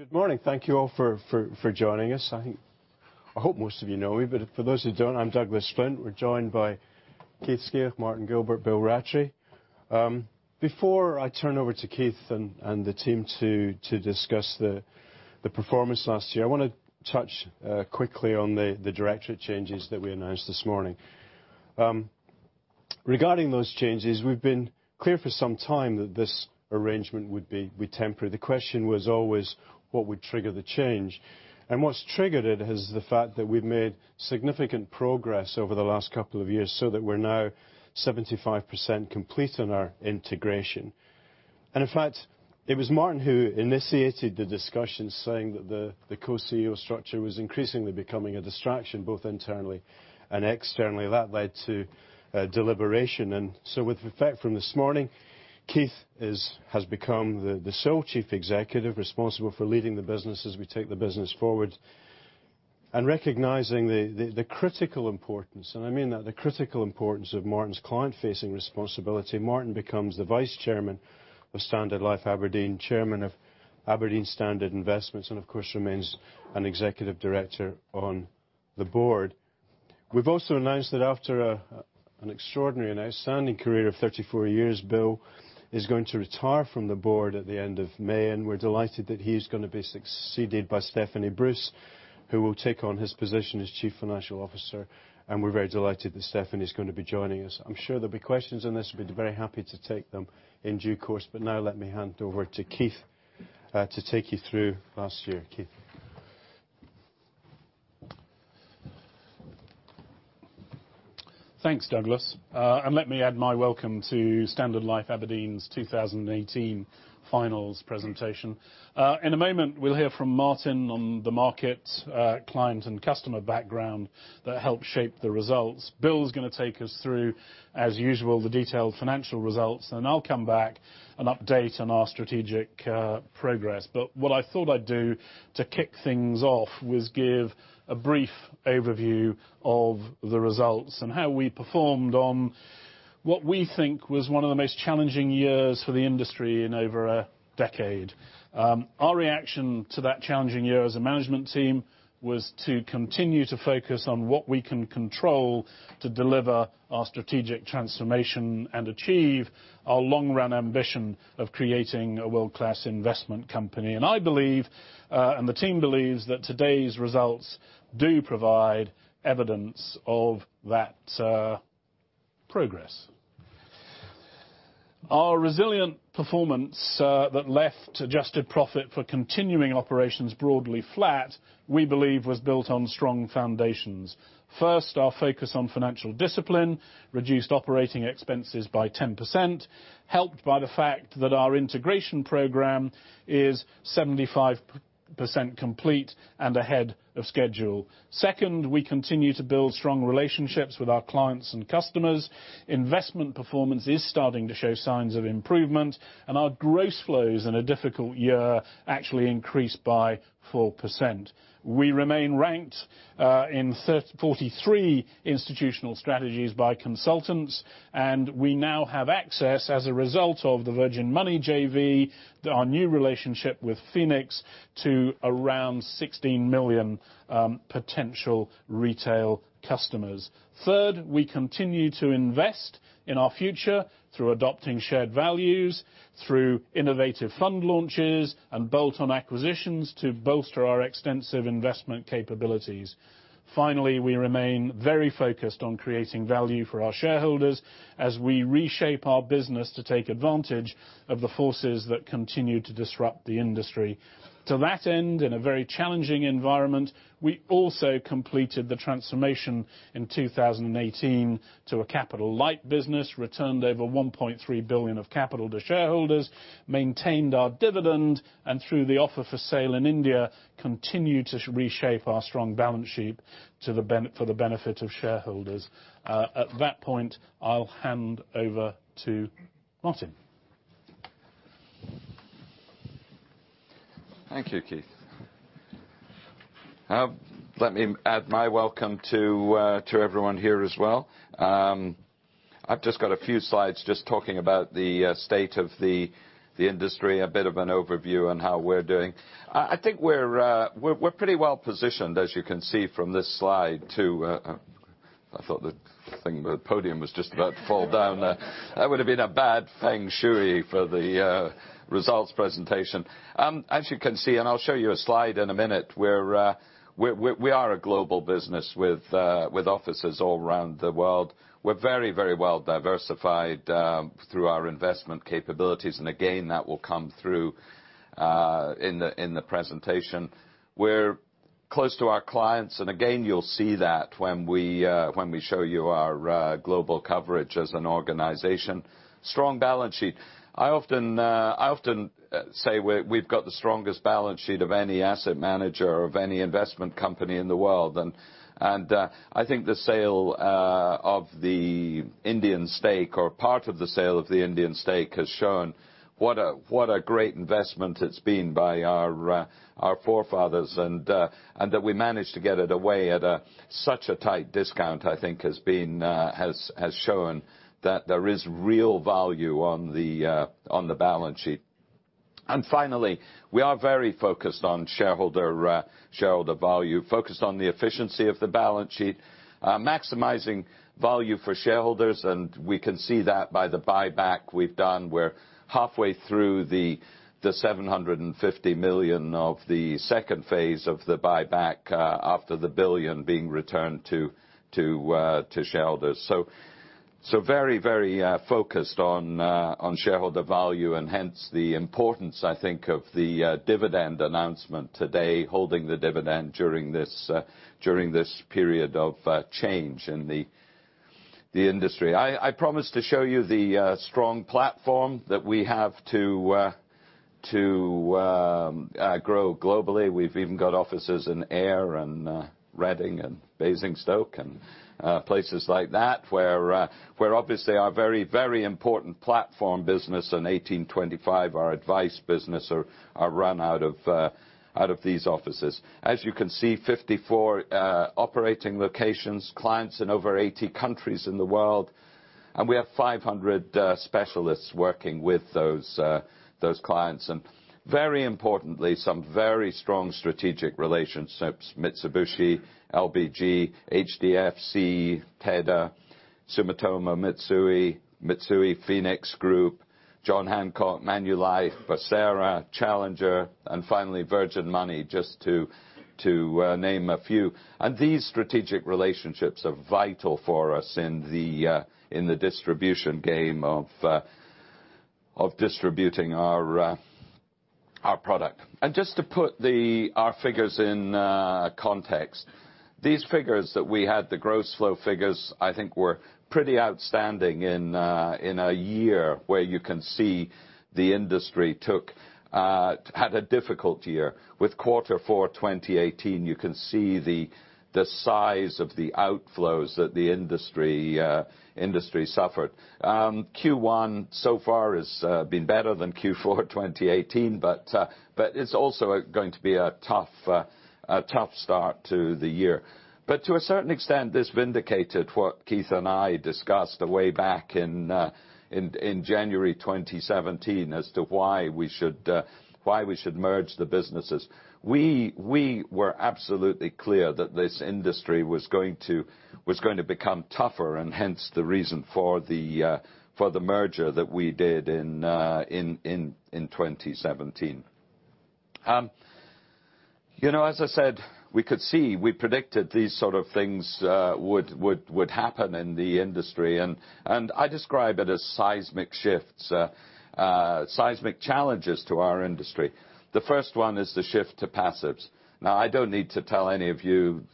Good morning. Thank you all for joining us. I hope most of you know me, but for those who don't, I'm Douglas Flint. We're joined by Keith Skeoch, Martin Gilbert, Bill Rattray. Before I turn over to Keith and the team to discuss the performance last year, I want to touch quickly on the directorate changes that we announced this morning. Regarding those changes, we've been clear for some time that this arrangement would be temporary. The question was always, what would trigger the change? What's triggered it is the fact that we've made significant progress over the last couple of years, so that we're now 75% complete in our integration. In fact, it was Martin who initiated the discussion, saying that the co-CEO structure was increasingly becoming a distraction, both internally and externally. That led to a deliberation. With effect from this morning, Keith has become the sole Chief Executive responsible for leading the business as we take the business forward. Recognizing the critical importance, I mean that, the critical importance of Martin's client-facing responsibility, Martin becomes the Vice Chairman of Standard Life Aberdeen, Chairman of Aberdeen Standard Investments, and of course, remains an Executive Director on the board. We've also announced that after an extraordinary and outstanding career of 34 years, Bill is going to retire from the board at the end of May. We're delighted that he's going to be succeeded by Stephanie Bruce, who will take on his position as Chief Financial Officer, and we're very delighted that Stephanie's going to be joining us. I'm sure there'll be questions on this. We'll be very happy to take them in due course. Now let me hand over to Keith, to take you through last year. Keith. Thanks, Douglas. Let me add my welcome to Standard Life Aberdeen's 2018 finals presentation. In a moment, we'll hear from Martin on the market, client, and customer background that helped shape the results. Bill's going to take us through, as usual, the detailed financial results. I'll come back and update on our strategic progress. What I thought I'd do to kick things off was give a brief overview of the results and how we performed on what we think was one of the most challenging years for the industry in over a decade. Our reaction to that challenging year as a management team was to continue to focus on what we can control to deliver our strategic transformation and achieve our long-run ambition of creating a world-class investment company. I believe, and the team believes, that today's results do provide evidence of that progress. Our resilient performance that left adjusted profit for continuing operations broadly flat, we believe, was built on strong foundations. First, our focus on financial discipline reduced operating expenses by 10%, helped by the fact that our integration program is 75% complete and ahead of schedule. Second, we continue to build strong relationships with our clients and customers. Investment performance is starting to show signs of improvement, and our gross flows in a difficult year actually increased by 4%. We remain ranked in 43 institutional strategies by consultants, and we now have access, as a result of the Virgin Money JV, our new relationship with Phoenix, to around 16 million potential retail customers. Third, we continue to invest in our future through adopting shared values, through innovative fund launches, and bolt-on acquisitions to bolster our extensive investment capabilities. Finally, we remain very focused on creating value for our shareholders as we reshape our business to take advantage of the forces that continue to disrupt the industry. To that end, in a very challenging environment, we also completed the transformation in 2018 to a capital-light business, returned over 1.3 billion of capital to shareholders, maintained our dividend, and through the offer for sale in India, continue to reshape our strong balance sheet for the benefit of shareholders. At that point, I'll hand over to Martin. Thank you, Keith. Let me add my welcome to everyone here as well. I've just got a few slides just talking about the state of the industry, a bit of an overview on how we're doing. I think we're pretty well positioned, as you can see from this slide. I thought the thing, the podium was just about to fall down. That would've been a bad feng shui for the results presentation. As you can see, I'll show you a slide in a minute, we are a global business with offices all around the world. We're very, very well diversified through our investment capabilities. Again, that will come through in the presentation. We're close to our clients, and again, you'll see that when we show you our global coverage as an organization. Strong balance sheet. I often say we've got the strongest balance sheet of any asset manager, of any investment company in the world. I think the sale of the Indian stake, or part of the sale of the Indian stake has shown what a great investment it's been by our forefathers. That we managed to get it away at such a tight discount, I think has shown that there is real value on the balance sheet. Finally, we are very focused on shareholder value. Focused on the efficiency of the balance sheet, maximizing value for shareholders, and we can see that by the buyback we've done. We're halfway through the 750 million of the second phase of the buyback after the 1 billion being returned to shareholders. Very focused on shareholder value and hence the importance, I think, of the dividend announcement today, holding the dividend during this period of change in the industry. I promised to show you the strong platform that we have to grow globally. We've even got offices in Ayr and Reading and Basingstoke and places like that, where obviously our very important platform business in 1825, our advice business are run out of these offices. As you can see, 54 operating locations, clients in over 80 countries in the world, and we have 500 specialists working with those clients. And very importantly, some very strong strategic relationships. Mitsubishi, LBG, HDFC, TEDA, Sumitomo Mitsui, Phoenix Group, John Hancock, Manulife, Bosera, Challenger, and finally Virgin Money, just to name a few. And these strategic relationships are vital for us in the distribution game of distributing our product. Just to put our figures in context. These figures that we had, the gross flow figures, I think were pretty outstanding in a year where you can see the industry had a difficult year. With Q4 2018, you can see the size of the outflows that the industry suffered. Q1 so far has been better than Q4 2018, but it's also going to be a tough start to the year. But to a certain extent, this vindicated what Keith and I discussed way back in January 2017 as to why we should merge the businesses. We were absolutely clear that this industry was going to become tougher, and hence the reason for the merger that we did in 2017. As I said, we could see, we predicted these sort of things would happen in the industry. I describe it as seismic shifts, seismic challenges to our industry. I don't need to tell any of you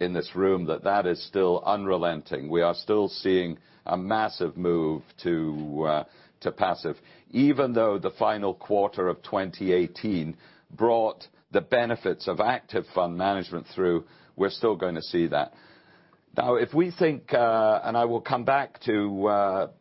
in this room that that is still unrelenting. We are still seeing a massive move to passive. Even though the final Q4 2018 brought the benefits of active fund management through, we're still going to see that. If we think, and I will come back to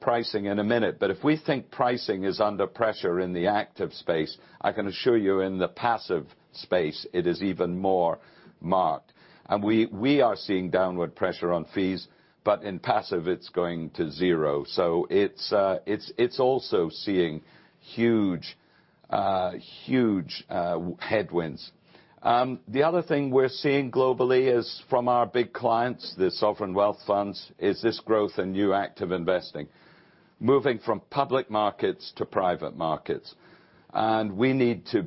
pricing in a minute, but if we think pricing is under pressure in the active space, I can assure you in the passive space, it is even more marked. And we are seeing downward pressure on fees, but in passive it's going to zero. So it's also seeing huge headwinds. The other thing we're seeing globally is from our big clients, the sovereign wealth funds, is this growth in new active investing. Moving from public markets to private markets. We need to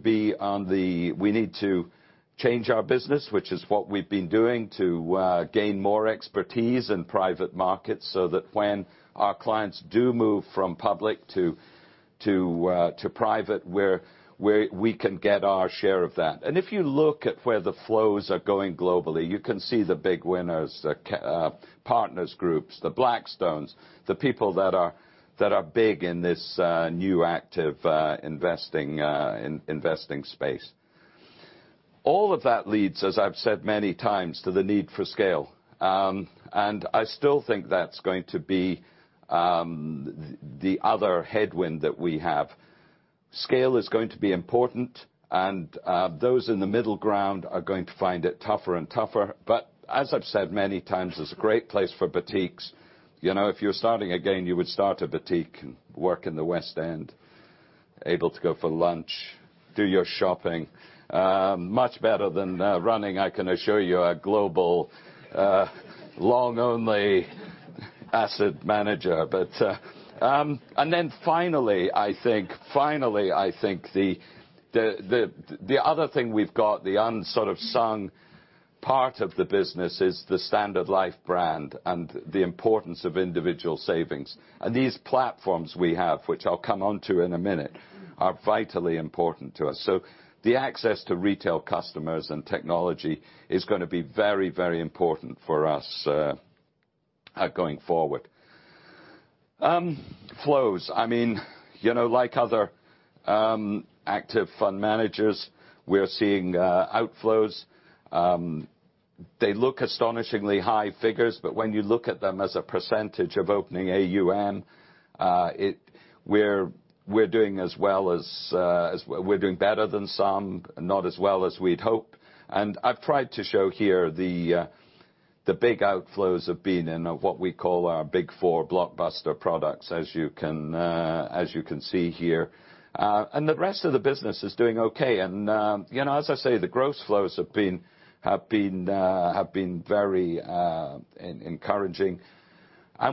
change our business, which is what we've been doing to gain more expertise in private markets, so that when our clients do move from public to private, we can get our share of that. And if you look at where the flows are going globally, you can see the big winners, the Partners Group, the Blackstone, the people that are big in this new active investing space. All of that leads, as I've said many times, to the need for scale. I still think that's going to be the other headwind that we have. Scale is going to be important, and those in the middle ground are going to find it tougher and tougher. As I've said many times, it's a great place for boutiques. If you're starting again, you would start a boutique and work in the West End, able to go for lunch, do your shopping. Much better than running, I can assure you, a global long-only asset manager. Finally, I think the other thing we've got, the unsung part of the business is the Standard Life brand and the importance of individual savings. These platforms we have, which I'll come onto in a minute, are vitally important to us. The access to retail customers and technology is going to be very important for us going forward. Flows. Like other active fund managers, we're seeing outflows. They look astonishingly high figures, but when you look at them as a percentage of opening AUM, we're doing better than some, not as well as we'd hoped. I've tried to show here the big outflows have been in what we call our big four blockbuster products, as you can see here. The rest of the business is doing okay. As I say, the gross flows have been very encouraging.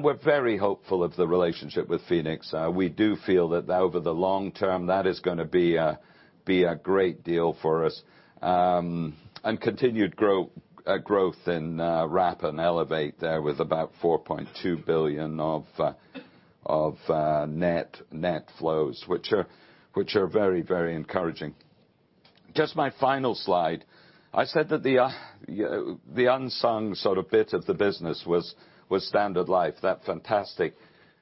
We're very hopeful of the relationship with Phoenix. We do feel that over the long term, that is going to be a great deal for us. Continued growth in Wrap and Elevate there with about 4.2 billion of net flows, which are very encouraging. Just my final slide. I said that the unsung sort of bit of the business was Standard Life, that fantastic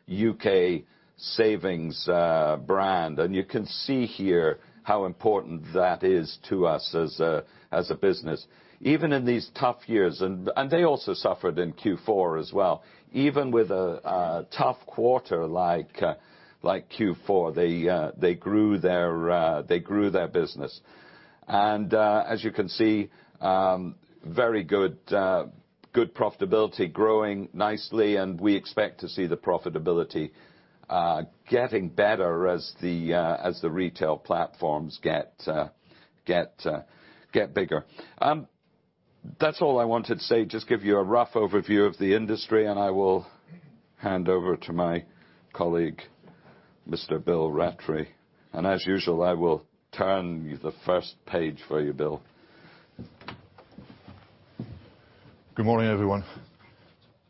U.K. savings brand. You can see here how important that is to us as a business, even in these tough years. They also suffered in Q4 as well. Even with a tough quarter like Q4, they grew their business. As you can see, very good profitability growing nicely, we expect to see the profitability getting better as the retail platforms get bigger. That's all I wanted to say. Just give you a rough overview of the industry, I will hand over to my colleague, Mr. Bill Rattray. As usual, I will turn the first page for you, Bill. Good morning, everyone.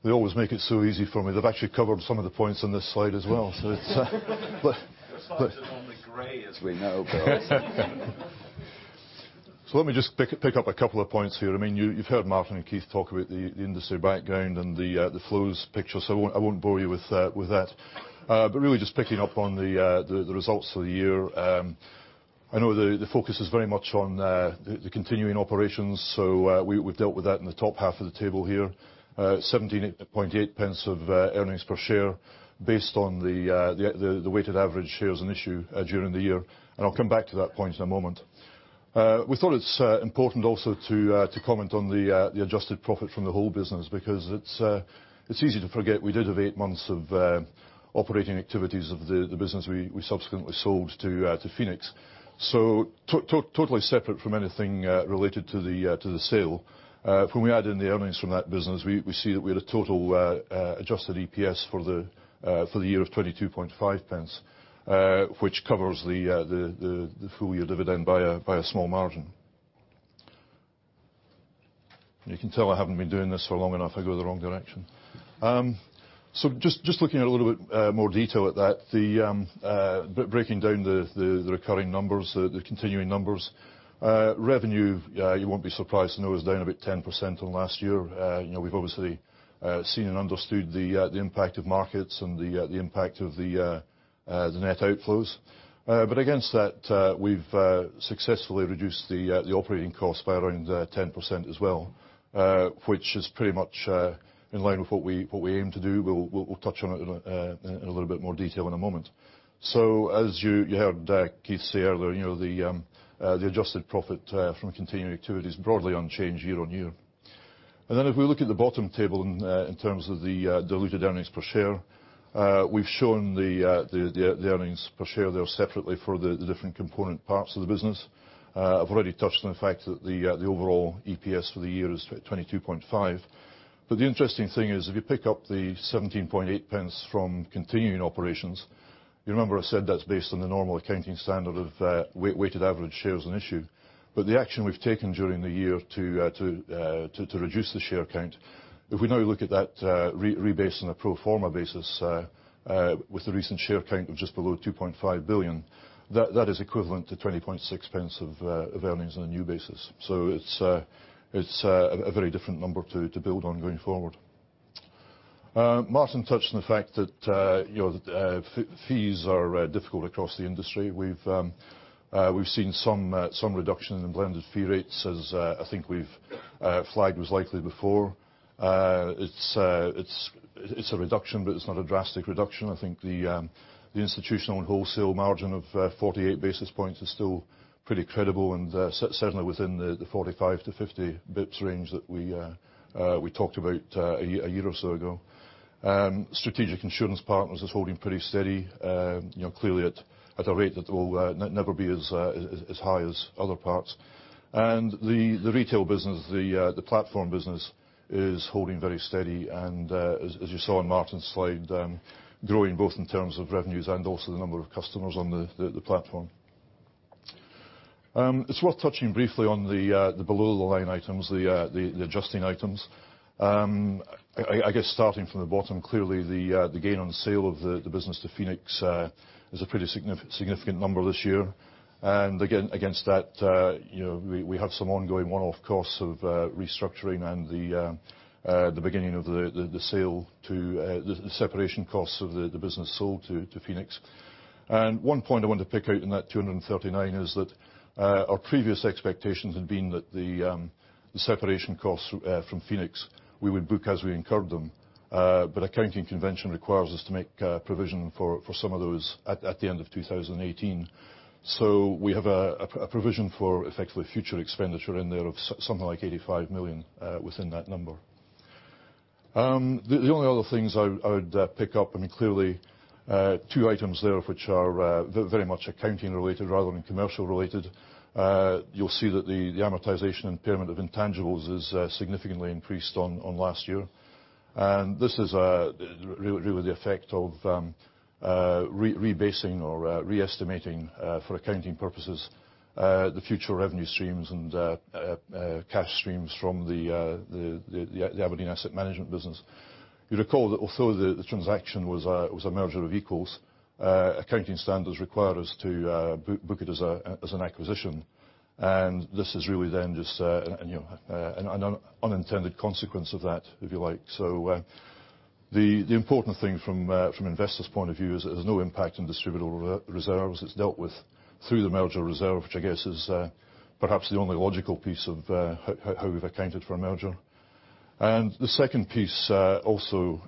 They always make it so easy for me. They've actually covered some of the points on this slide as well. Your slides are normally gray, as we know, Bill. Let me just pick up a couple of points here. You've heard Martin and Keith talk about the industry background and the flows picture, I won't bore you with that. Really just picking up on the results for the year. I know the focus is very much on the continuing operations, we've dealt with that in the top half of the table here. 0.178 of earnings per share based on the weighted average shares and issue during the year. I'll come back to that point in a moment. We thought it's important also to comment on the adjusted profit from the whole business because it's easy to forget we did have eight months of operating activities of the business we subsequently sold to Phoenix. Totally separate from anything related to the sale. When we add in the earnings from that business, we see that we had a total adjusted EPS for the year of 0.225, which covers the full-year dividend by a small margin. You can tell I haven't been doing this for long enough, I go the wrong direction. Just looking at a little bit more detail at that. Breaking down the recurring numbers, the continuing numbers. Revenue, you won't be surprised to know, is down about 10% on last year. We've obviously seen and understood the impact of markets and the impact of the net outflows. Against that, we've successfully reduced the operating costs by around 10% as well, which is pretty much in line with what we aim to do. We'll touch on it in a little bit more detail in a moment. As you heard Keith say earlier, the adjusted profit from continuing activities broadly unchanged year-on-year. Then if we look at the bottom table in terms of the diluted earnings per share, we've shown the earnings per share there separately for the different component parts of the business. I've already touched on the fact that the overall EPS for the year is 0.225. The interesting thing is, if you pick up the 0.178 from continuing operations, you remember I said that's based on the normal accounting standard of weighted average shares and issue. The action we've taken during the year to reduce the share count, if we now look at that rebase on a pro forma basis with the recent share count of just below 2.5 billion, that is equivalent to 0.206 of earnings on a new basis. It's a very different number to build on going forward. Martin touched on the fact that fees are difficult across the industry. We've seen some reduction in blended fee rates as I think we've flagged was likely before. It's a reduction, but it's not a drastic reduction. I think the institutional and wholesale margin of 48 basis points is still pretty credible and certainly within the 45 to 50 bps range that we talked about a year or so ago. Strategic Insurance Partners is holding pretty steady, clearly at a rate that will never be as high as other parts. The retail business, the platform business, is holding very steady and as you saw on Martin's slide, growing both in terms of revenues and also the number of customers on the platform. It's worth touching briefly on the below-the-line items, the adjusting items. I guess starting from the bottom, clearly the gain on sale of the business to Phoenix is a pretty significant number this year. Against that we have some ongoing one-off costs of restructuring and the beginning of the sale to the separation costs of the business sold to Phoenix. One point I want to pick out in that 239 is that our previous expectations had been that the separation costs from Phoenix, we would book as we incurred them. But accounting convention requires us to make provision for some of those at the end of 2018. We have a provision for effectively future expenditure in there of something like 85 million within that number. The only other things I would pick up, clearly two items there which are very much accounting related rather than commercial related. You'll see that the amortization impairment of intangibles is significantly increased on last year. This is really the effect of rebasing or re-estimating for accounting purposes, the future revenue streams and cash streams from the Aberdeen Asset Management business. You recall that although the transaction was a merger of equals, accounting standards required us to book it as an acquisition. This is really then just an unintended consequence of that, if you like. The important thing from investors' point of view is it has no impact on distributable reserves. It's dealt with through the merger reserve, which I guess is perhaps the only logical piece of how we've accounted for a merger. The second piece, also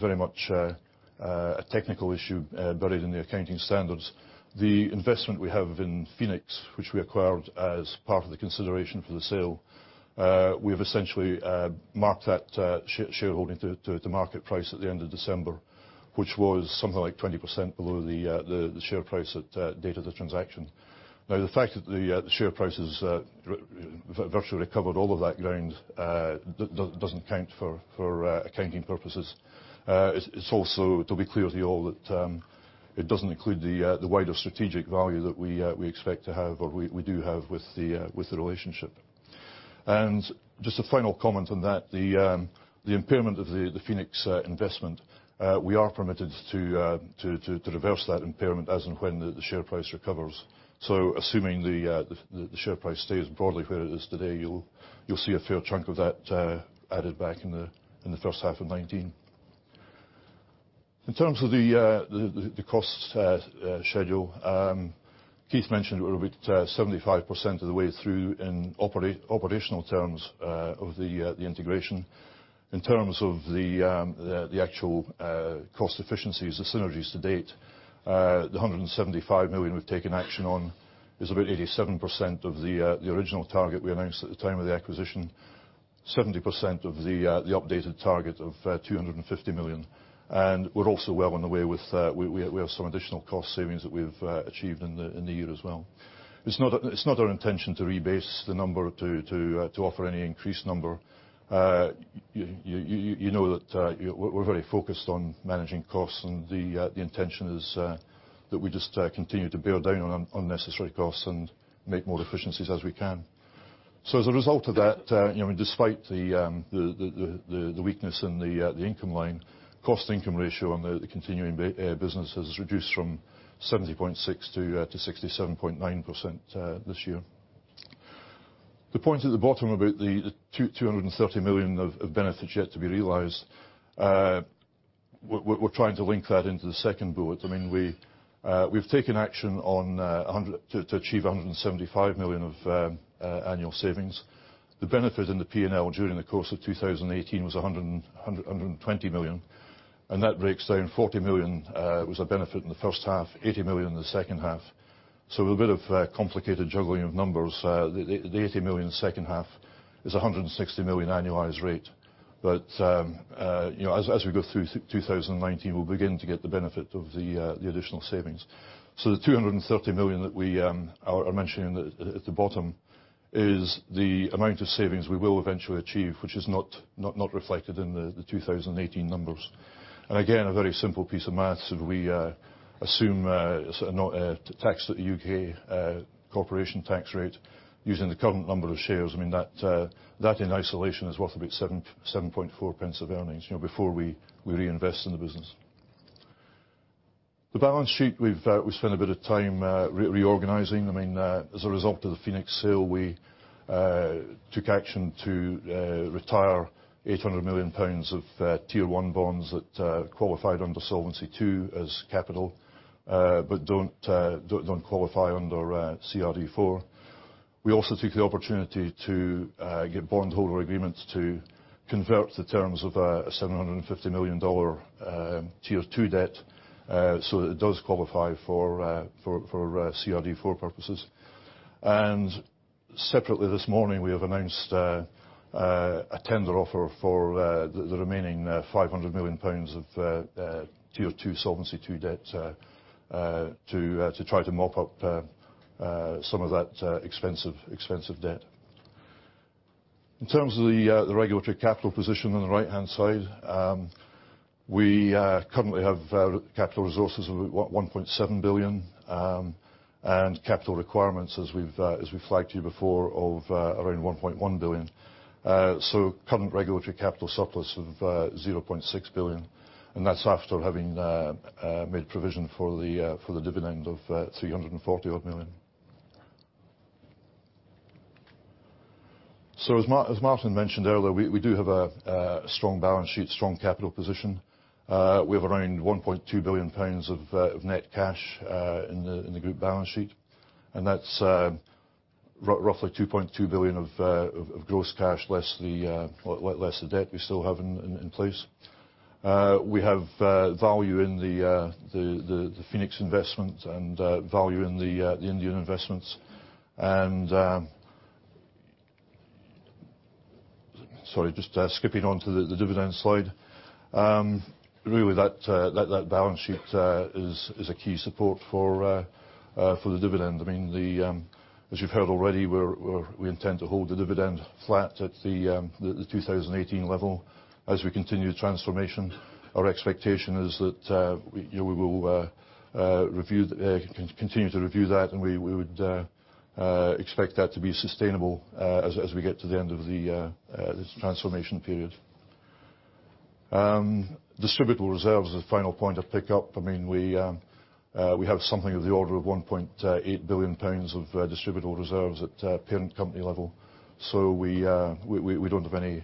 very much a technical issue buried in the accounting standards. The investment we have in Phoenix, which we acquired as part of the consideration for the sale, we have essentially marked that shareholding to market price at the end of December, which was something like 20% below the share price at date of the transaction. The fact that the share price has virtually recovered all of that ground doesn't count for accounting purposes. It's also to be clear to you all that it doesn't include the wider strategic value that we expect to have, or we do have with the relationship. Just a final comment on that. The impairment of the Phoenix investment, we are permitted to reverse that impairment as and when the share price recovers. Assuming the share price stays broadly where it is today, you'll see a fair chunk of that added back in the first half of 2019. In terms of the cost schedule, Keith mentioned we're about 75% of the way through in operational terms of the integration. In terms of the actual cost efficiencies or synergies to date, the 175 million we've taken action on is about 87% of the original target we announced at the time of the acquisition, 70% of the updated target of 250 million. We have some additional cost savings that we've achieved in the year as well. It's not our intention to rebase the number to offer any increased number. You know that we're very focused on managing costs, and the intention is that we just continue to build down on unnecessary costs and make more efficiencies as we can. As a result of that, despite the weakness in the income line, cost income ratio on the continuing business has reduced from 70.6% to 67.9% this year. The point at the bottom about the 230 million of benefits yet to be realized, we're trying to link that into the second bullet. We've taken action to achieve 175 million of annual savings. The benefit in the P&L during the course of 2018 was 120 million. That breaks down. 40 million was our benefit in the first half, 80 million in the second half. A bit of complicated juggling of numbers. The 80 million second half is 160 million annualized rate. As we go through 2019, we'll begin to get the benefit of the additional savings. The 230 million that I mentioned at the bottom is the amount of savings we will eventually achieve, which is not reflected in the 2018 numbers. Again, a very simple piece of math. If we assume tax at the U.K. corporation tax rate using the current number of shares, that in isolation is worth about 0.074 of earnings before we reinvest in the business. The balance sheet we've spent a bit of time reorganizing. As a result of the Phoenix sale, we took action to retire 800 million pounds of Tier 1 bonds that qualified under Solvency II as capital, but don't qualify under CRD IV. We also took the opportunity to get bondholder agreements to convert the terms of a $750 million Tier 2 debt so that it does qualify for CRD IV purposes. Separately this morning, we have announced a tender offer for the remaining 500 million pounds of Tier 2, Solvency II debt to try to mop up some of that expensive debt. In terms of the regulatory capital position on the right-hand side, we currently have capital resources of about 1.7 billion, and capital requirements, as we flagged to you before, of around 1.1 billion. Current regulatory capital surplus of 0.6 billion. That's after having made provision for the dividend of 340 odd million. As Martin mentioned earlier, we do have a strong balance sheet, strong capital position. We have around 1.2 billion pounds of net cash in the group balance sheet. That's roughly 2.2 billion of gross cash, less the debt we still have in place. We have value in the Phoenix investment and value in the Indian investments. Sorry, just skipping on to the dividend slide. Really, that balance sheet is a key support for the dividend. As you've heard already, we intend to hold the dividend flat at the 2018 level as we continue transformation. Our expectation is that we will continue to review that, and we would expect that to be sustainable as we get to the end of this transformation period. Distributable reserves is the final point I'll pick up. We have something of the order of 1.8 billion pounds of distributable reserves at parent company level. We don't have any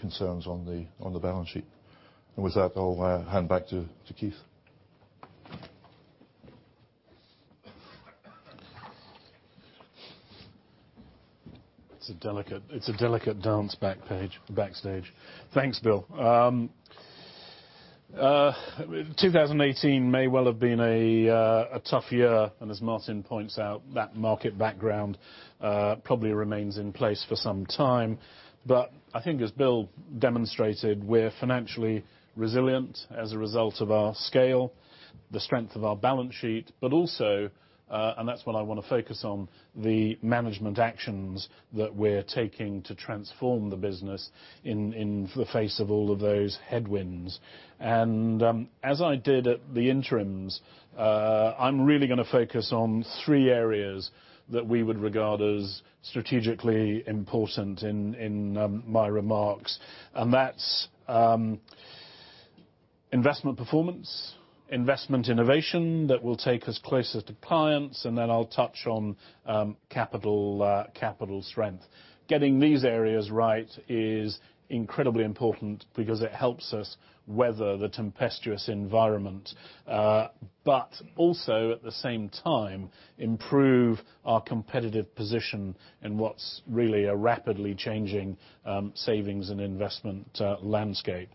concerns on the balance sheet. With that, I'll hand back to Keith. It's a delicate dance backstage. Thanks, Bill. 2018 may well have been a tough year, and as Martin points out, that market background probably remains in place for some time. I think as Bill demonstrated, we're financially resilient as a result of our scale, the strength of our balance sheet, but also, and that's what I want to focus on, the management actions that we're taking to transform the business in the face of all of those headwinds. As I did at the interims, I'm really going to focus on three areas that we would regard as strategically important in my remarks. That's investment performance, investment innovation that will take us closer to clients, and then I'll touch on capital strength. Getting these areas right is incredibly important because it helps us weather the tempestuous environment. Also, at the same time, improve our competitive position in what's really a rapidly changing savings and investment landscape.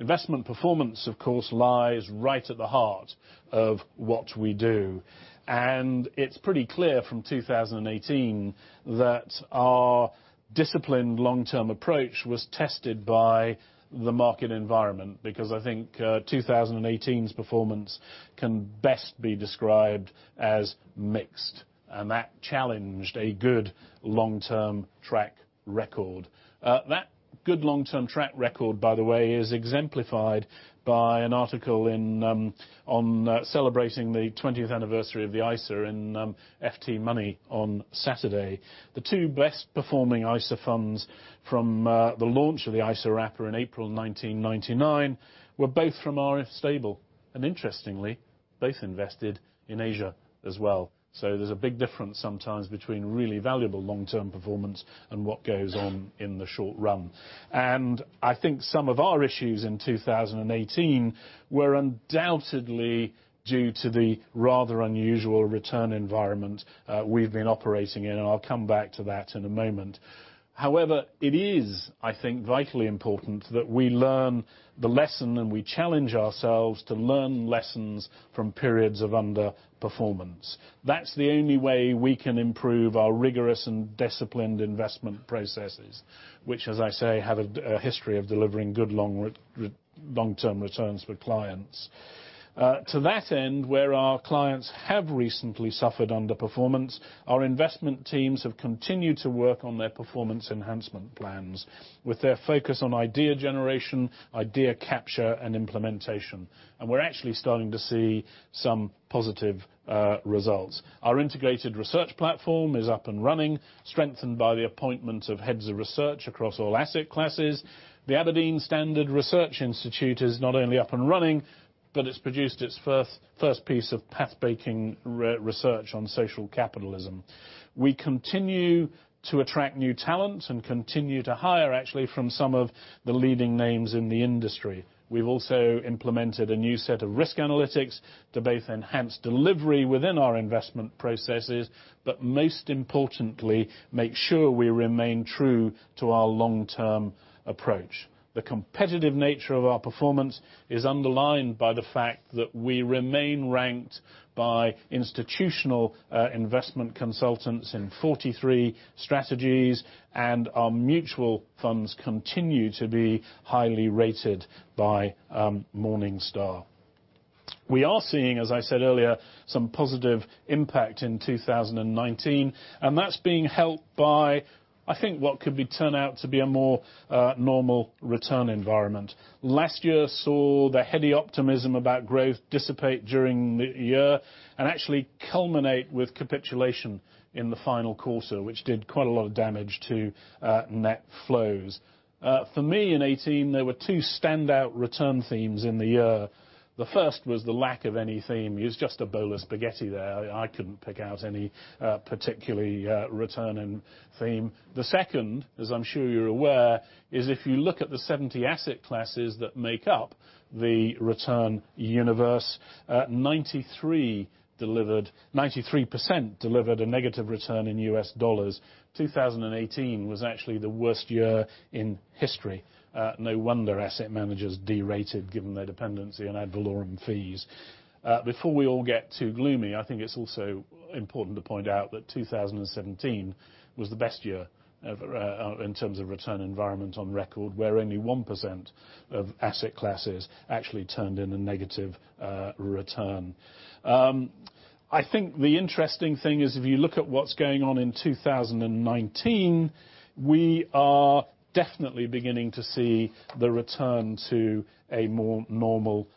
Investment performance, of course, lies right at the heart of what we do. It's pretty clear from 2018 that our disciplined long-term approach was tested by the market environment, because I think 2018's performance can best be described as mixed, and that challenged a good long-term track record. That good long-term track record, by the way, is exemplified by an article on celebrating the 20th anniversary of the ISA in FT Money on Saturday. The two best performing ISA funds from the launch of the ISA wrapper in April 1999 were both from our stable. Interestingly, both invested in Asia as well. There's a big difference sometimes between really valuable long-term performance and what goes on in the short run. I think some of our issues in 2018 were undoubtedly due to the rather unusual return environment we've been operating in. I'll come back to that in a moment. However, it is, I think, vitally important that we learn the lesson and we challenge ourselves to learn lessons from periods of underperformance. That's the only way we can improve our rigorous and disciplined investment processes, which, as I say, have a history of delivering good long-term returns for clients. To that end, where our clients have recently suffered underperformance, our investment teams have continued to work on their performance enhancement plans with their focus on idea generation, idea capture, and implementation. We're actually starting to see some positive results. Our integrated research platform is up and running, strengthened by the appointment of heads of research across all asset classes. The Aberdeen Standard Investments Research Institute is not only up and running, but it's produced its first piece of pathbreaking research on social capitalism. We continue to attract new talent and continue to hire, actually, from some of the leading names in the industry. We've also implemented a new set of risk analytics to both enhance delivery within our investment processes, but most importantly, make sure we remain true to our long-term approach. The competitive nature of our performance is underlined by the fact that we remain ranked by institutional investment consultants in 43 strategies, and our mutual funds continue to be highly rated by Morningstar. We are seeing, as I said earlier, some positive impact in 2019, and that's being helped by-I think what could turn out to be a more normal return environment. Last year saw the heady optimism about growth dissipate during the year and actually culminate with capitulation in the final quarter, which did quite a lot of damage to net flows. For me, in 2018, there were two standout return themes in the year. The first was the lack of any theme. It was just a bowl of spaghetti there. I couldn't pick out any particular returning theme. The second, as I'm sure you're aware, is if you look at the 70 asset classes that make up the return universe, 93% delivered a negative return in U.S. dollars. 2018 was actually the worst year in history. No wonder asset managers derated given their dependency on ad valorem fees. Before we all get too gloomy, I think it's also important to point out that 2017 was the best year in terms of return environment on record, where only 1% of asset classes actually turned in a negative return. I think the interesting thing is if you look at what's going on in 2019, we are definitely beginning to see the return to a more normal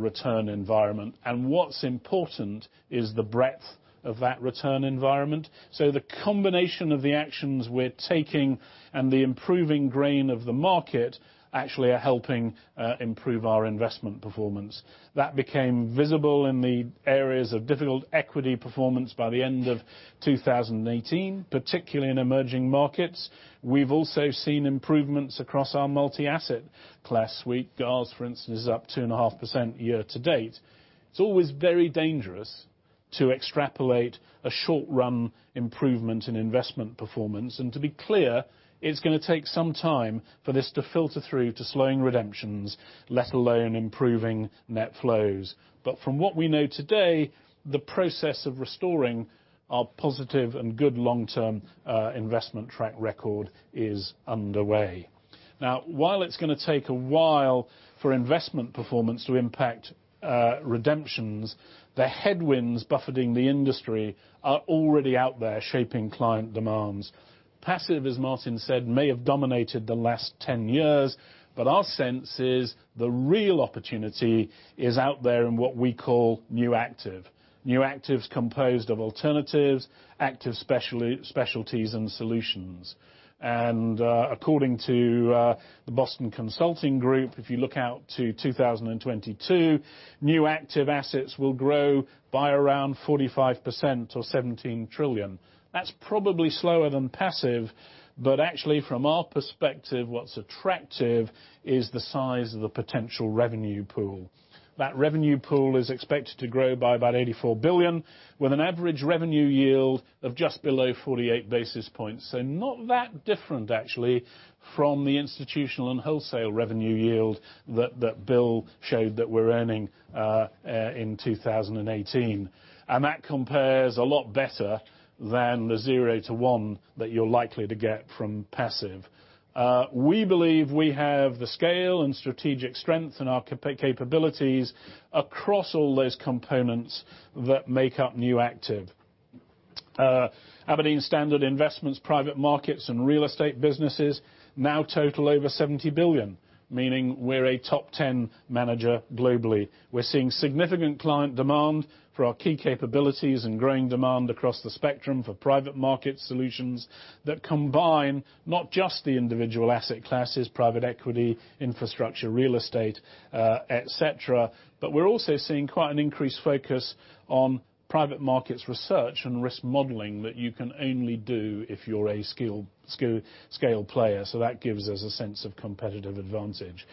return environment. And what's important is the breadth of that return environment. So the combination of the actions we're taking and the improving grain of the market actually are helping improve our investment performance. That became visible in the areas of difficult equity performance by the end of 2018, particularly in emerging markets. We've also seen improvements across our multi-asset class suite. GARS, for instance, is up 2.5% year to date. It's always very dangerous to extrapolate a short-run improvement in investment performance. To be clear, it's going to take some time for this to filter through to slowing redemptions, let alone improving net flows. From what we know today, the process of restoring our positive and good long-term investment track record is underway. Now, while it's going to take a while for investment performance to impact redemptions, the headwinds buffeting the industry are already out there shaping client demands. Passive, as Martin said, may have dominated the last 10 years, but our sense is the real opportunity is out there in what we call new active. New active's composed of alternatives, active specialties, and solutions. According to the Boston Consulting Group, if you look out to 2022, new active assets will grow by around 45% or 17 trillion. That's probably slower than passive, but actually from our perspective, what's attractive is the size of the potential revenue pool. That revenue pool is expected to grow by about 84 billion with an average revenue yield of just below 48 basis points. Not that different, actually, from the institutional and wholesale revenue yield that Bill showed that we're earning in 2018. That compares a lot better than the zero to one that you're likely to get from passive. We believe we have the scale and strategic strength in our capabilities across all those components that make up new active. Aberdeen Standard Investments private markets and real estate businesses now total over 70 billion, meaning we're a top 10 manager globally. We're seeing significant client demand for our key capabilities and growing demand across the spectrum for private market solutions that combine not just the individual asset classes, private equity, infrastructure, real estate, et cetera, but we're also seeing quite an increased focus on private markets research and risk modeling that you can only do if you're a scale player. That gives us a sense of competitive advantage.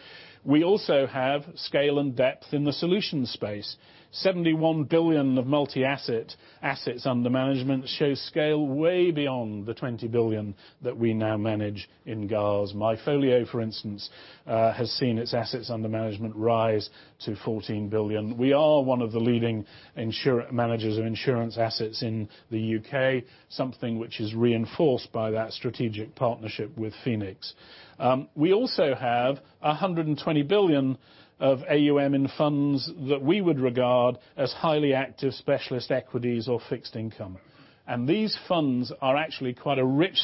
We also have scale and depth in the solutions space. 71 billion of multi-asset assets under management shows scale way beyond the 20 billion that we now manage in GARS. MyFolio, for instance, has seen its assets under management rise to 14 billion. We are one of the leading managers of insurance assets in the U.K., something which is reinforced by that strategic partnership with Phoenix. We also have 120 billion of AUM in funds that we would regard as highly active specialist equities or fixed income. These funds are actually quite a rich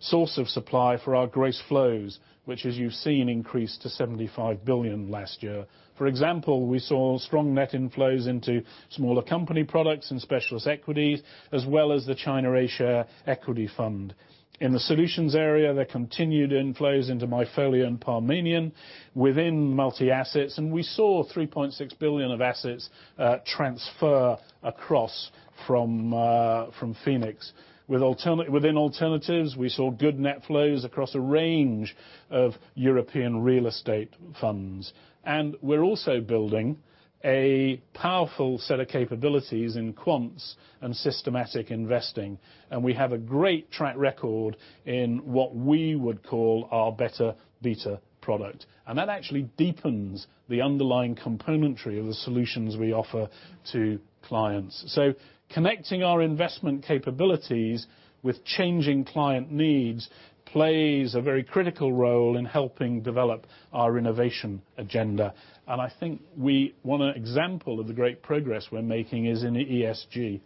source of supply for our gross flows, which as you've seen, increased to 75 billion last year. For example, we saw strong net inflows into smaller company products and specialist equities, as well as the China A Share equity fund. In the solutions area, there continued inflows into MyFolio and Parmenion within multi-assets, and we saw 3.6 billion of assets transfer across from Phoenix. Within alternatives, we saw good net flows across a range of European real estate funds. We're also building a powerful set of capabilities in quants and systematic investing. We have a great track record in what we would call our BETTER Beta product. That actually deepens the underlying componentry of the solutions we offer to clients. Connecting our investment capabilities with changing client needs plays a very critical role in helping develop our innovation agenda. I think one example of the great progress we're making is in ESG.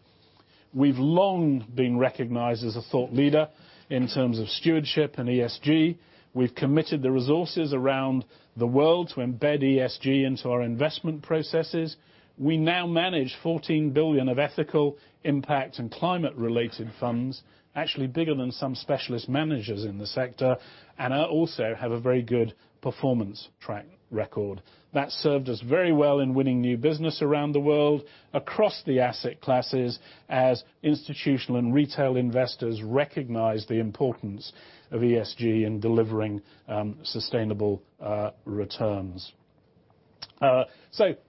We've long been recognized as a thought leader in terms of stewardship and ESG. We've committed the resources around the world to embed ESG into our investment processes. We now manage 14 billion of ethical impact and climate related funds, actually bigger than some specialist managers in the sector, and also have a very good performance track record. That served us very well in winning new business around the world, across the asset classes, as institutional and retail investors recognize the importance of ESG in delivering sustainable returns. To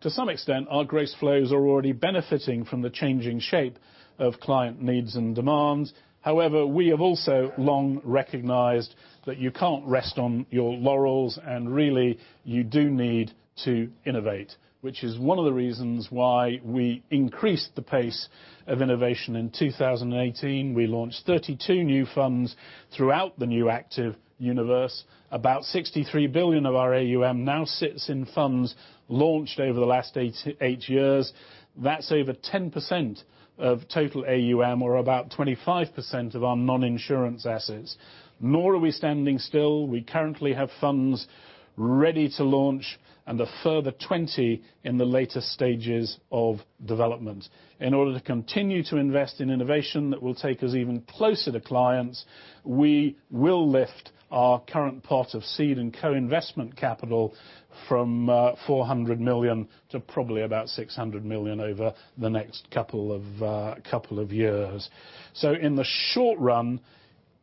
some extent, our gross flows are already benefiting from the changing shape of client needs and demands. However, we have also long recognized that you can't rest on your laurels, really, you do need to innovate, which is one of the reasons why we increased the pace of innovation in 2018. We launched 32 new funds throughout the new active universe. About 63 billion of our AUM now sits in funds launched over the last eight years. That's over 10% of total AUM or about 25% of our non-insurance assets. Nor are we standing still. We currently have funds ready to launch and a further 20 in the later stages of development. In order to continue to invest in innovation that will take us even closer to clients, we will lift our current pot of seed and co-investment capital from 400 million to probably about 600 million over the next couple of years. In the short run,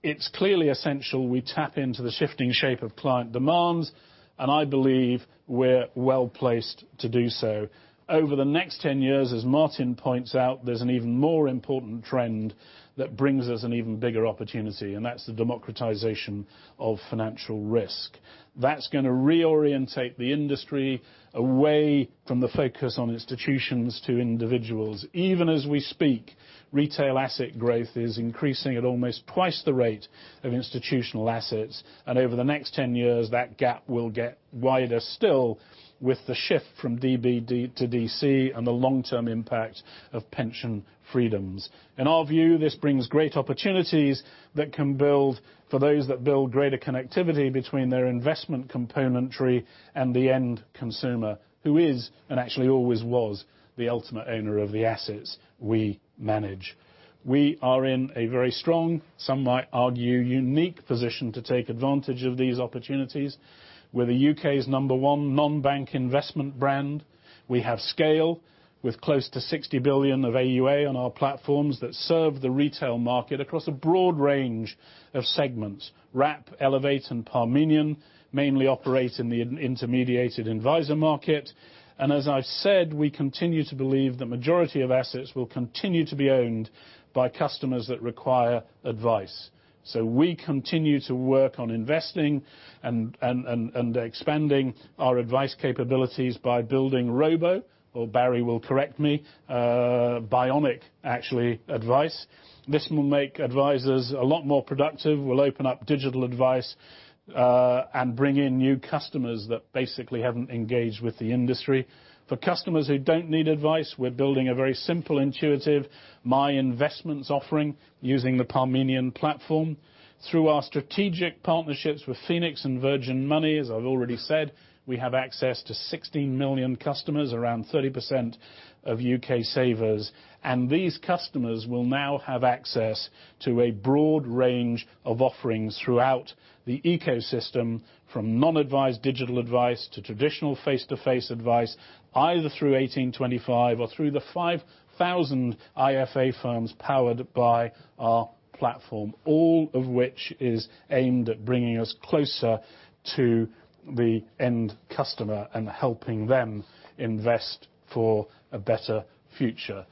it's clearly essential we tap into the shifting shape of client demands, I believe we're well-placed to do so. Over the next 10 years, as Martin points out, there's an even more important trend that brings us an even bigger opportunity, that's the democratization of financial risk. That's going to reorientate the industry away from the focus on institutions to individuals. Even as we speak, retail asset growth is increasing at almost twice the rate of institutional assets, over the next 10 years, that gap will get wider still with the shift from DB to DC and the long-term impact of pension freedoms. In our view, this brings great opportunities that can build for those that build greater connectivity between their investment componentry and the end consumer, who is, and actually always was, the ultimate owner of the assets we manage. We are in a very strong, some might argue, unique position to take advantage of these opportunities. We're the U.K.'s number one non-bank investment brand. We have scale, with close to 60 billion of AUA on our platforms that serve the retail market across a broad range of segments. Wrap, Elevate, and Parmenion mainly operate in the intermediated advisor market. As I've said, we continue to believe the majority of assets will continue to be owned by customers that require advice. We continue to work on investing and expanding our advice capabilities by building Robo, or Barry will correct me, Bionic Advice actually. This will make advisors a lot more productive. We'll open up digital advice, and bring in new customers that basically haven't engaged with the industry. For customers who don't need advice, we're building a very simple, intuitive My Investments offering using the Parmenion platform. Through our strategic partnerships with Phoenix and Virgin Money, as I've already said, we have access to 16 million customers, around 30% of U.K. savers. These customers will now have access to a broad range of offerings throughout the ecosystem, from non-advised digital advice to traditional face-to-face advice, either through 1825 or through the 5,000 IFA firms powered by our platform. All of which is aimed at bringing us closer to the end customer and helping them invest for a better future.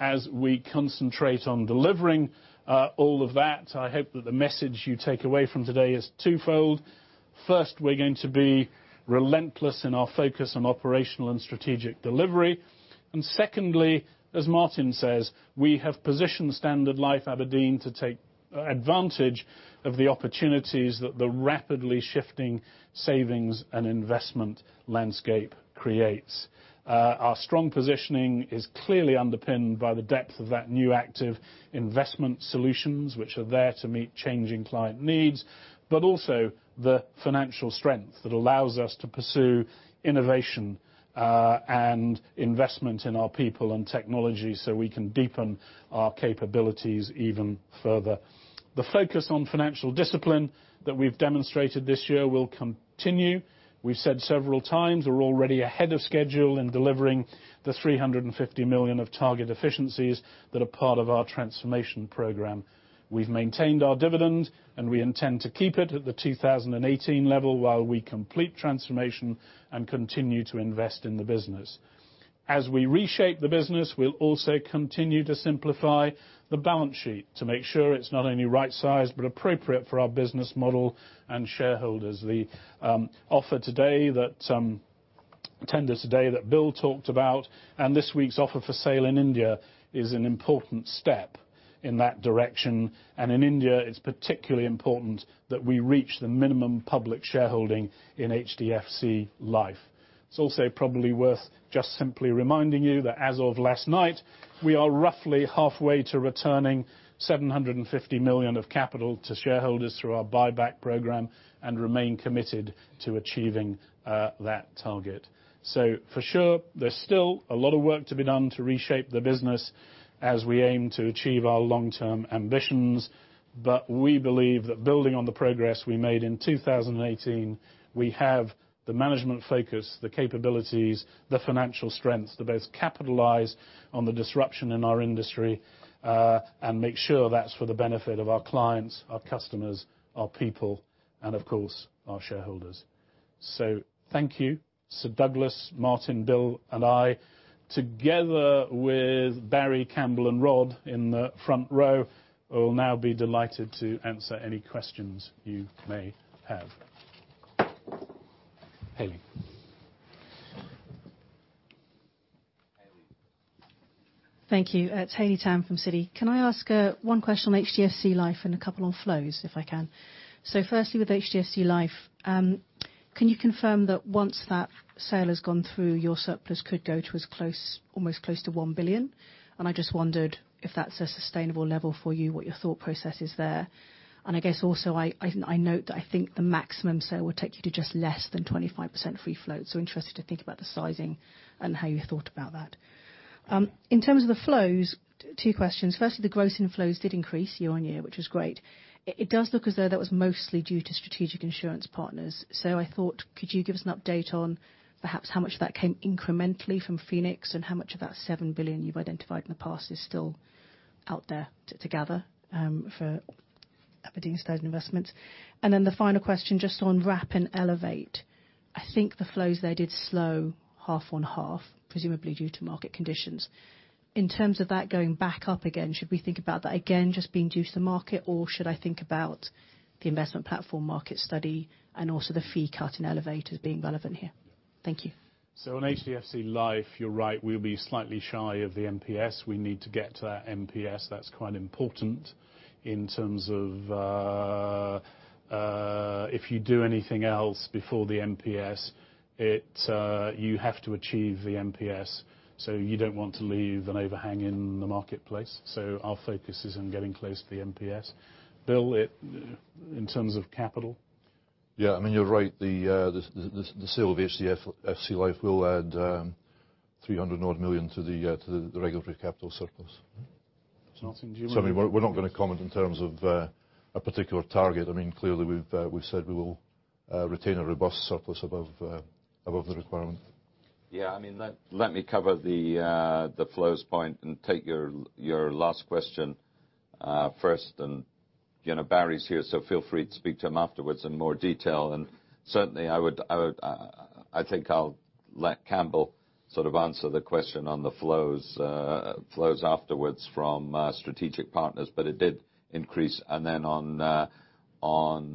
As we concentrate on delivering all of that, I hope that the message you take away from today is twofold. First, we're going to be relentless in our focus on operational and strategic delivery. Secondly, as Martin says, we have positioned Standard Life Aberdeen to take advantage of the opportunities that the rapidly shifting savings and investment landscape creates. Our strong positioning is clearly underpinned by the depth of that new active investment solutions, which are there to meet changing client needs. Also the financial strength that allows us to pursue innovation, and investment in our people and technology so we can deepen our capabilities even further. The focus on financial discipline that we've demonstrated this year will continue. We've said several times we're already ahead of schedule in delivering the 350 million of target efficiencies that are part of our transformation program. We've maintained our dividend, and we intend to keep it at the 2018 level while we complete transformation and continue to invest in the business. As we reshape the business, we'll also continue to simplify the balance sheet to make sure it's not only right-sized, but appropriate for our business model and shareholders. The tender today that Bill talked about, and this week's offer for sale in India is an important step in that direction. In India, it's particularly important that we reach the minimum public shareholding in HDFC Life. It's also probably worth just simply reminding you that as of last night, we are roughly halfway to returning 750 million of capital to shareholders through our buyback program, and remain committed to achieving that target. For sure, there's still a lot of work to be done to reshape the business as we aim to achieve our long-term ambitions. We believe that building on the progress we made in 2018, we have the management focus, the capabilities, the financial strengths to both capitalize on the disruption in our industry, and make sure that's for the benefit of our clients, our customers, our people, and of course, our shareholders. Thank you, Sir Douglas, Martin, Bill, and I, together with Barry, Campbell, and Rod in the front row, will now be delighted to answer any questions you may have. Haley. Thank you. It is Haley Tam from Citi. Can I ask one question on HDFC Life and a couple on flows if I can? Firstly with HDFC Life, can you confirm that once that sale has gone through, your surplus could go to almost close to 1 billion? I just wondered if that is a sustainable level for you, what your thought process is there. I guess also, I note that I think the maximum sale would take you to just less than 25% free float. Interested to think about the sizing and how you thought about that. In terms of the flows, two questions. The gross inflows did increase year-on-year, which was great. It does look as though that was mostly due to strategic insurance partners. I thought, could you give us an update on perhaps how much of that came incrementally from Phoenix, and how much of that 7 billion you have identified in the past is still out there to gather for Aberdeen Standard Investments? The final question, just on Wrap and Elevate. I think the flows there did slow half-on-half, presumably due to market conditions. In terms of that going back up again, should we think about that again just being due to market, or should I think about the investment platform market study and also the fee cut in Elevate as being relevant here? Thank you. On HDFC Life, you are right, we will be slightly shy of the MPS. We need to get to that MPS. That is quite important in terms of if you do anything else before the MPS, you have to achieve the MPS. You do not want to leave an overhang in the marketplace. Our focus is on getting close to the MPS. Bill, in terms of capital? Yeah, you are right. The sale of HDFC Life will add 300 million odd to the regulatory capital surplus. There's nothing you want to add? We're not going to comment in terms of a particular target. We've said we will retain a robust surplus above the requirement. Yeah. Let me cover the flows point and take your last question first. Barry's here, so feel free to speak to him afterwards in more detail. Certainly, I think I'll let Campbell sort of answer the question on the flows afterwards from strategic partners. It did increase. Then on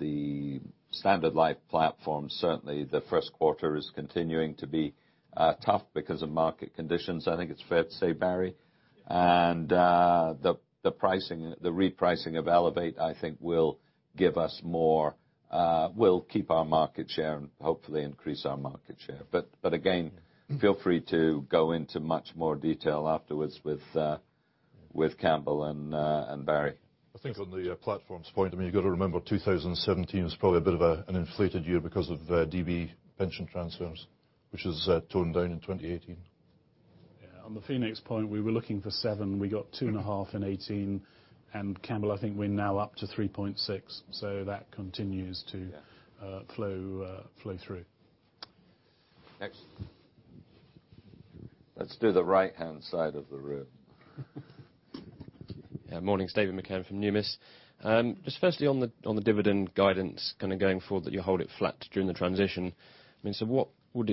the Standard Life platform, certainly the first quarter is continuing to be tough because of market conditions. I think it's fair to say, Barry? Yeah. The repricing of Elevate, I think will keep our market share and hopefully increase our market share. Again, feel free to go into much more detail afterwards with Campbell and Barry. I think on the platforms point, you got to remember 2017 was probably a bit of an inflated year because of DB pension transfers, which has toned down in 2018. Yeah. On the Phoenix point, we were looking for 7. We got 2.5 in 2018. Campbell, I think we are now up to 3.6. That continues to flow through. Next. Let's do the right-hand side of the room. Yeah. Morning. David McCann from Numis. Just firstly on the dividend guidance kind of going forward that you hold it flat during the transition. What would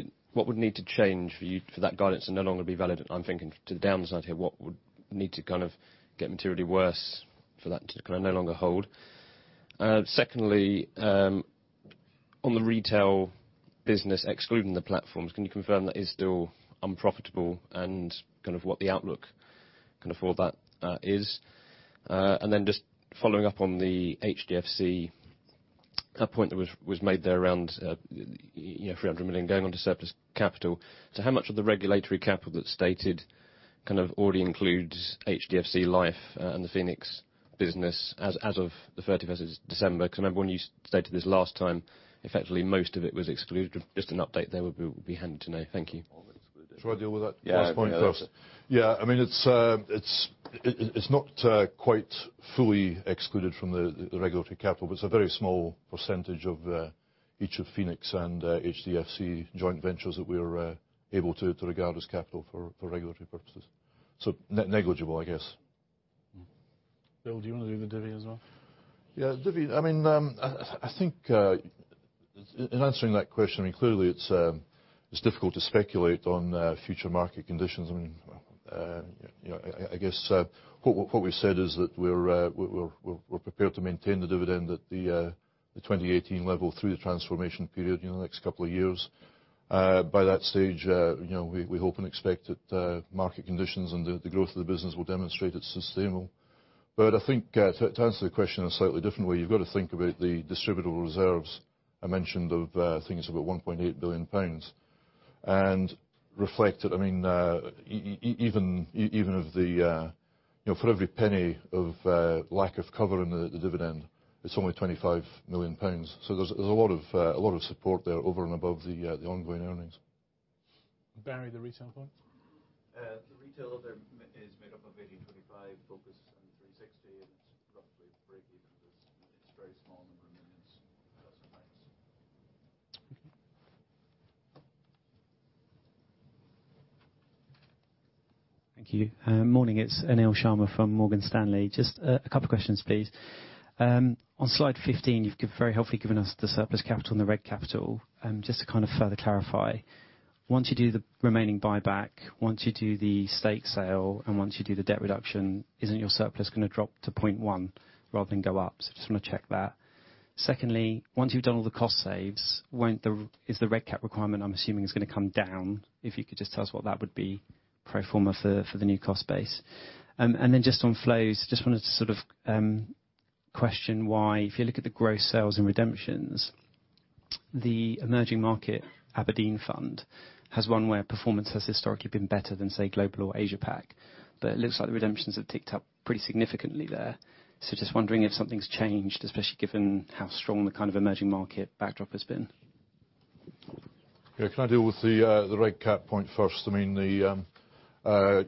need to change for you for that guidance to no longer be valid? I'm thinking to the downside here, what would need to kind of get materially worse for that to kind of no longer hold? Secondly, on the retail business, excluding the platforms, can you confirm that is still unprofitable and kind of what the outlook kind of for that is? Then just following up on the HDFC point that was made there around 300 million going onto surplus capital. How much of the regulatory capital that's stated kind of already includes HDFC Life and the Phoenix business as of the 31st December? I remember when you stated this last time, effectively most of it was excluded. Just an update there would be handy to know. Thank you. All but excluded. Should I deal with that last point first? Yeah. Yeah. It's not quite fully excluded from the regulatory capital, but it's a very small percentage of each of Phoenix and HDFC joint ventures that we are able to regard as capital for regulatory purposes. Negligible, I guess. Bill, do you want to do the divvy as well? Yeah. Divvy. I think in answering that question, clearly it's difficult to speculate on future market conditions. I guess what we've said is that we're prepared to maintain the dividend at the 2018 level through the transformation period in the next couple of years. By that stage, we hope and expect that market conditions and the growth of the business will demonstrate it's sustainable. I think to answer the question a slightly different way, you've got to think about the distributable reserves I mentioned of I think it's about 1.8 billion pounds. Reflect that even for every penny of lack of cover in the dividend, it's only GBP 25 million. There's a lot of support there over and above the ongoing earnings. Barry, the retail point. The retail is made up of 1825 Focus and 360, and it's roughly break even. It's a very small number of millions, dozens of pounds. Okay. Thank you. Morning, it is Anil Sharma from Morgan Stanley. Just a couple questions please. On slide 15, you have very helpfully given us the surplus capital and the reg cap. Just to further clarify, once you do the remaining buyback, once you do the stake sale, and once you do the debt reduction, isn't your surplus going to drop to 0.1 rather than go up? Just want to check that. Secondly, once you have done all the cost saves, is the reg cap requirement, I am assuming, is going to come down? If you could just tell us what that would be pro forma for the new cost base. Just on flows, just wanted to sort of question why, if you look at the gross sales and redemptions, the emerging market Aberdeen Fund has one where performance has historically been better than, say, Global or Asia-Pac, but it looks like the redemptions have ticked up pretty significantly there. Just wondering if something's changed, especially given how strong the kind of emerging market backdrop has been. Can I deal with the reg cap point first? I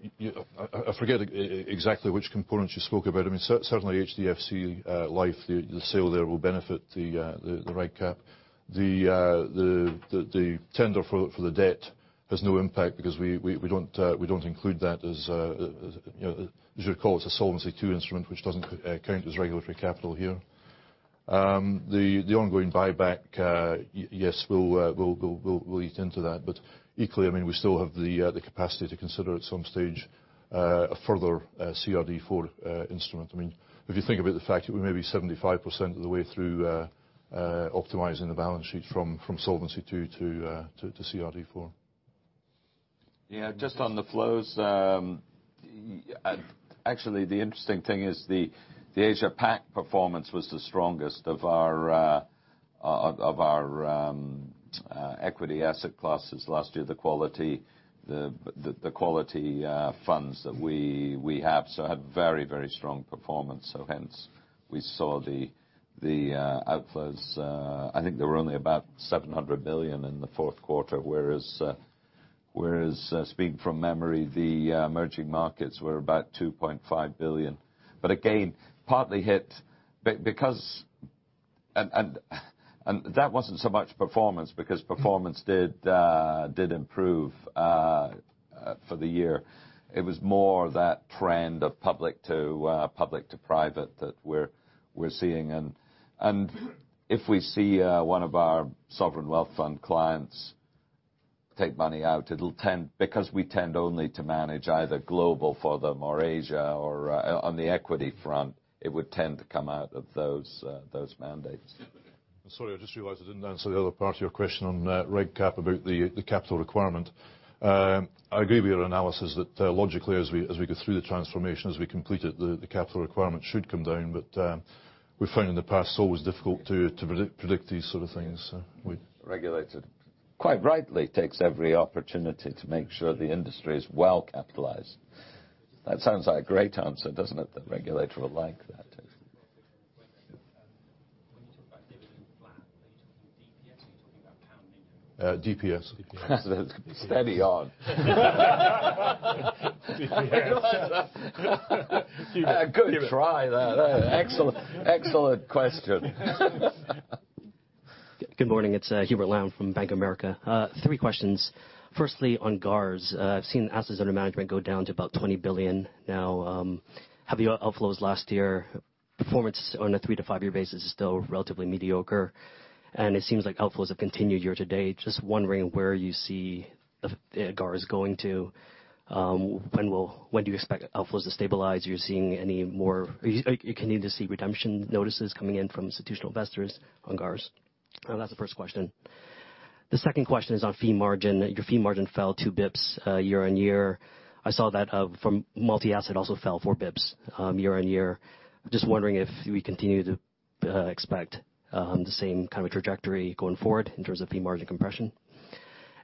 forget exactly which components you spoke about. Certainly HDFC Life, the sale there will benefit the reg cap. The tender for the debt has no impact because we do not include that. As you will recall, it is a Solvency II instrument, which does not count as regulatory capital here. The ongoing buyback, yes, we will eat into that. Equally, we still have the capacity to consider at some stage a further CRD IV instrument. If you think about the fact that we may be 75% of the way through optimizing the balance sheet from Solvency II to CRD IV. Just on the flows, actually the interesting thing is the Asia-Pac performance was the strongest of our equity asset classes last year. The quality funds that we have. Had very strong performance. Hence we saw the outflows, I think there were only about 700 million in the fourth quarter, whereas speaking from memory, the emerging markets were about 2.5 billion. Again, partly hit. That was not so much performance, because performance did improve for the year. It was more that trend of public to private that we are seeing. If we see one of our sovereign wealth fund clients take money out, because we tend only to manage either global for them or Asia on the equity front, it would tend to come out of those mandates. Sorry, I just realized I didn't answer the other part of your question on reg cap about the capital requirement. I agree with your analysis that logically, as we go through the transformation, as we complete it, the capital requirement should come down. We found in the past it's always difficult to predict these sort of things. Regulator, quite rightly, takes every opportunity to make sure the industry is well capitalized. That sounds like a great answer, doesn't it? The regulator will like that. When you talk about dividend flat, are you talking DPS? Are you talking about compounding? DPS. Steady on. DPS. Good try there. Excellent question. Good morning. It is Hubert Lam from Bank of America. Three questions. Firstly, on GARS, I have seen assets under management go down to about 20 billion now. Have your outflows last year, performance on a three to five year basis is still relatively mediocre, and it seems like outflows have continued year to date. Just wondering where you see GARS going to. When do you expect outflows to stabilize? Are you continuing to see redemption notices coming in from institutional investors on GARS? That is the first question. The second question is on fee margin. Your fee margin fell two basis points year-on-year. I saw that from multi-asset also fell four basis points year-on-year. Just wondering if we continue to expect the same kind of trajectory going forward in terms of fee margin compression.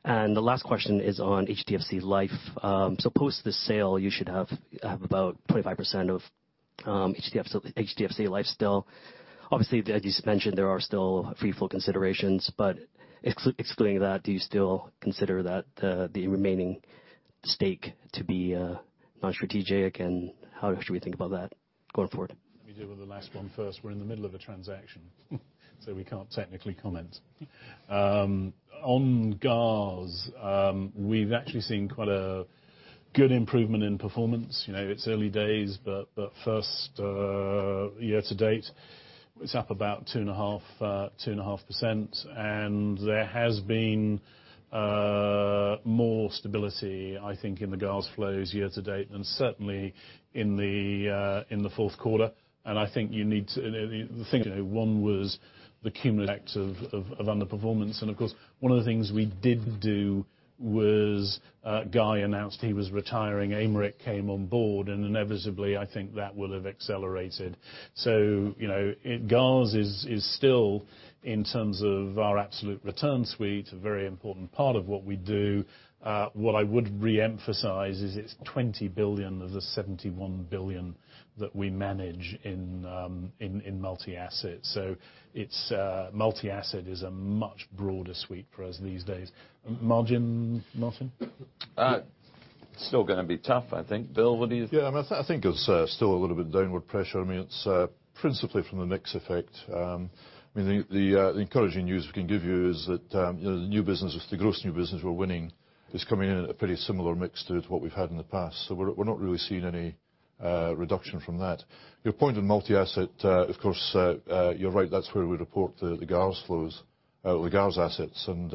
The last question is on HDFC Life. Post the sale, you should have about 25% of HDFC Life still. Obviously, as you mentioned, there are still free float considerations, but excluding that, do you still consider the remaining stake to be non-strategic? How should we think about that going forward? Let me deal with the last one first. We are in the middle of a transaction, we cannot technically comment. On GARS, we have actually seen quite a Good improvement in performance. It's early days, but first year to date, it's up about 2.5%. There has been more stability, I think, in the GARS flows year to date, and certainly in the fourth quarter. I think one was the cumulative acts of underperformance. Of course, one of the things we did do was Guy announced he was retiring. Aymeric came on board, and inevitably, I think that will have accelerated. GARS is still, in terms of our absolute return suite, a very important part of what we do. What I would re-emphasize is it's 20 billion of the 71 billion that we manage in multi-asset. Multi-asset is a much broader suite for us these days. Margin, Martin? It's still going to be tough, I think. Bill, what do you think? Yeah, I think it's still a little bit downward pressure. It's principally from the mix effect. The encouraging news we can give you is that the gross new business we're winning is coming in at a pretty similar mix to what we've had in the past. We're not really seeing any reduction from that. Your point on multi-asset, of course, you're right, that's where we report the GARS flows, the GARS assets, and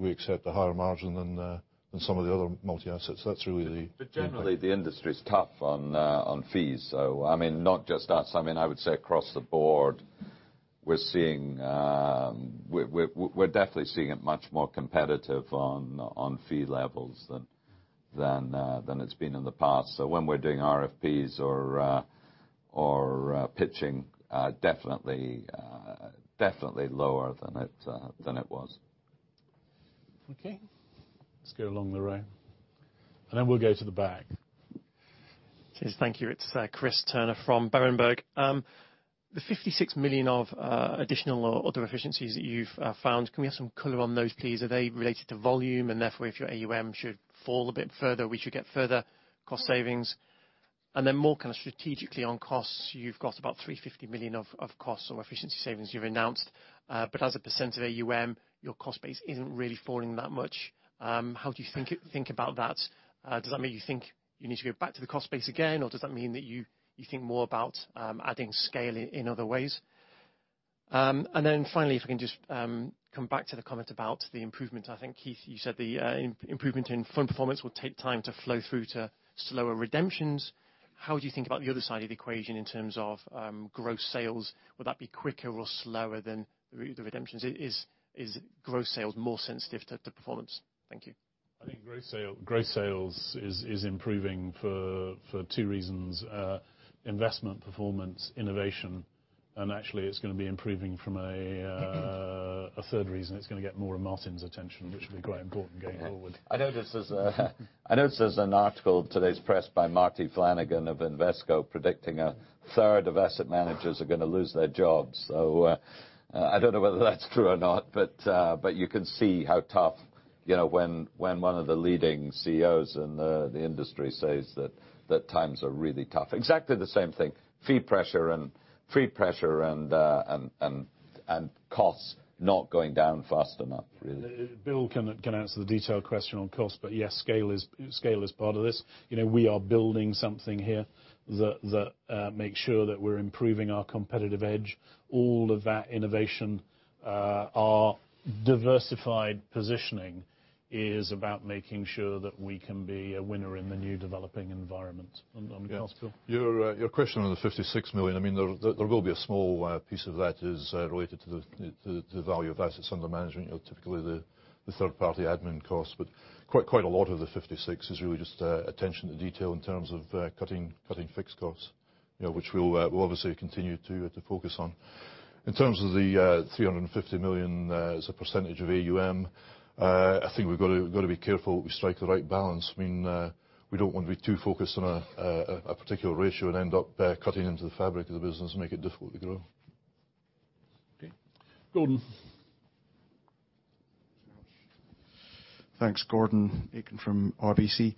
we accept a higher margin than some of the other multi-assets. That's really the- Generally, the industry is tough on fees. Not just us. I would say across the board, we're definitely seeing it much more competitive on fee levels than it's been in the past. When we're doing RFPs or pitching, definitely lower than it was. Okay. Let's go along the row, then we'll go to the back. Cheers. Thank you. It's Chris Turner from Berenberg. The 56 million of additional other efficiencies that you've found, can we have some color on those, please? Are they related to volume and therefore if your AUM should fall a bit further, we should get further cost savings? More strategically on costs, you've got about 350 million of costs or efficiency savings you've announced. As a % of AUM, your cost base isn't really falling that much. How do you think about that? Does that mean you think you need to go back to the cost base again, or does that mean that you think more about adding scale in other ways? Finally, if we can just come back to the comment about the improvement. I think, Keith, you said the improvement in fund performance will take time to flow through to slower redemptions. How would you think about the other side of the equation in terms of gross sales? Will that be quicker or slower than the redemptions? Is gross sales more sensitive to performance? Thank you. I think gross sales is improving for two reasons: investment performance, innovation. Actually it's going to be improving from a third reason. It's going to get more of Martin's attention, which will be quite important going forward. I noticed there's an article in today's press by Marty Flanagan of Invesco predicting a third of asset managers are going to lose their jobs. I don't know whether that's true or not, you can see how tough, when one of the leading CEOs in the industry says that times are really tough. Exactly the same thing, fee pressure and costs not going down fast enough, really. Bill can answer the detailed question on cost. Yes, scale is part of this. We are building something here that makes sure that we're improving our competitive edge. All of that innovation, our diversified positioning is about making sure that we can be a winner in the new developing environment. Last, Bill. Your question on the 56 million, there will be a small piece of that is related to the value of assets under management, typically the third-party admin cost. Quite a lot of the 56 is really just attention to detail in terms of cutting fixed costs, which we'll obviously continue to focus on. In terms of the 350 million as a % of AUM, I think we've got to be careful we strike the right balance. We don't want to be too focused on a particular ratio and end up cutting into the fabric of the business and make it difficult to grow. Okay. Gordon. Thanks. Gordon Aitken from RBC.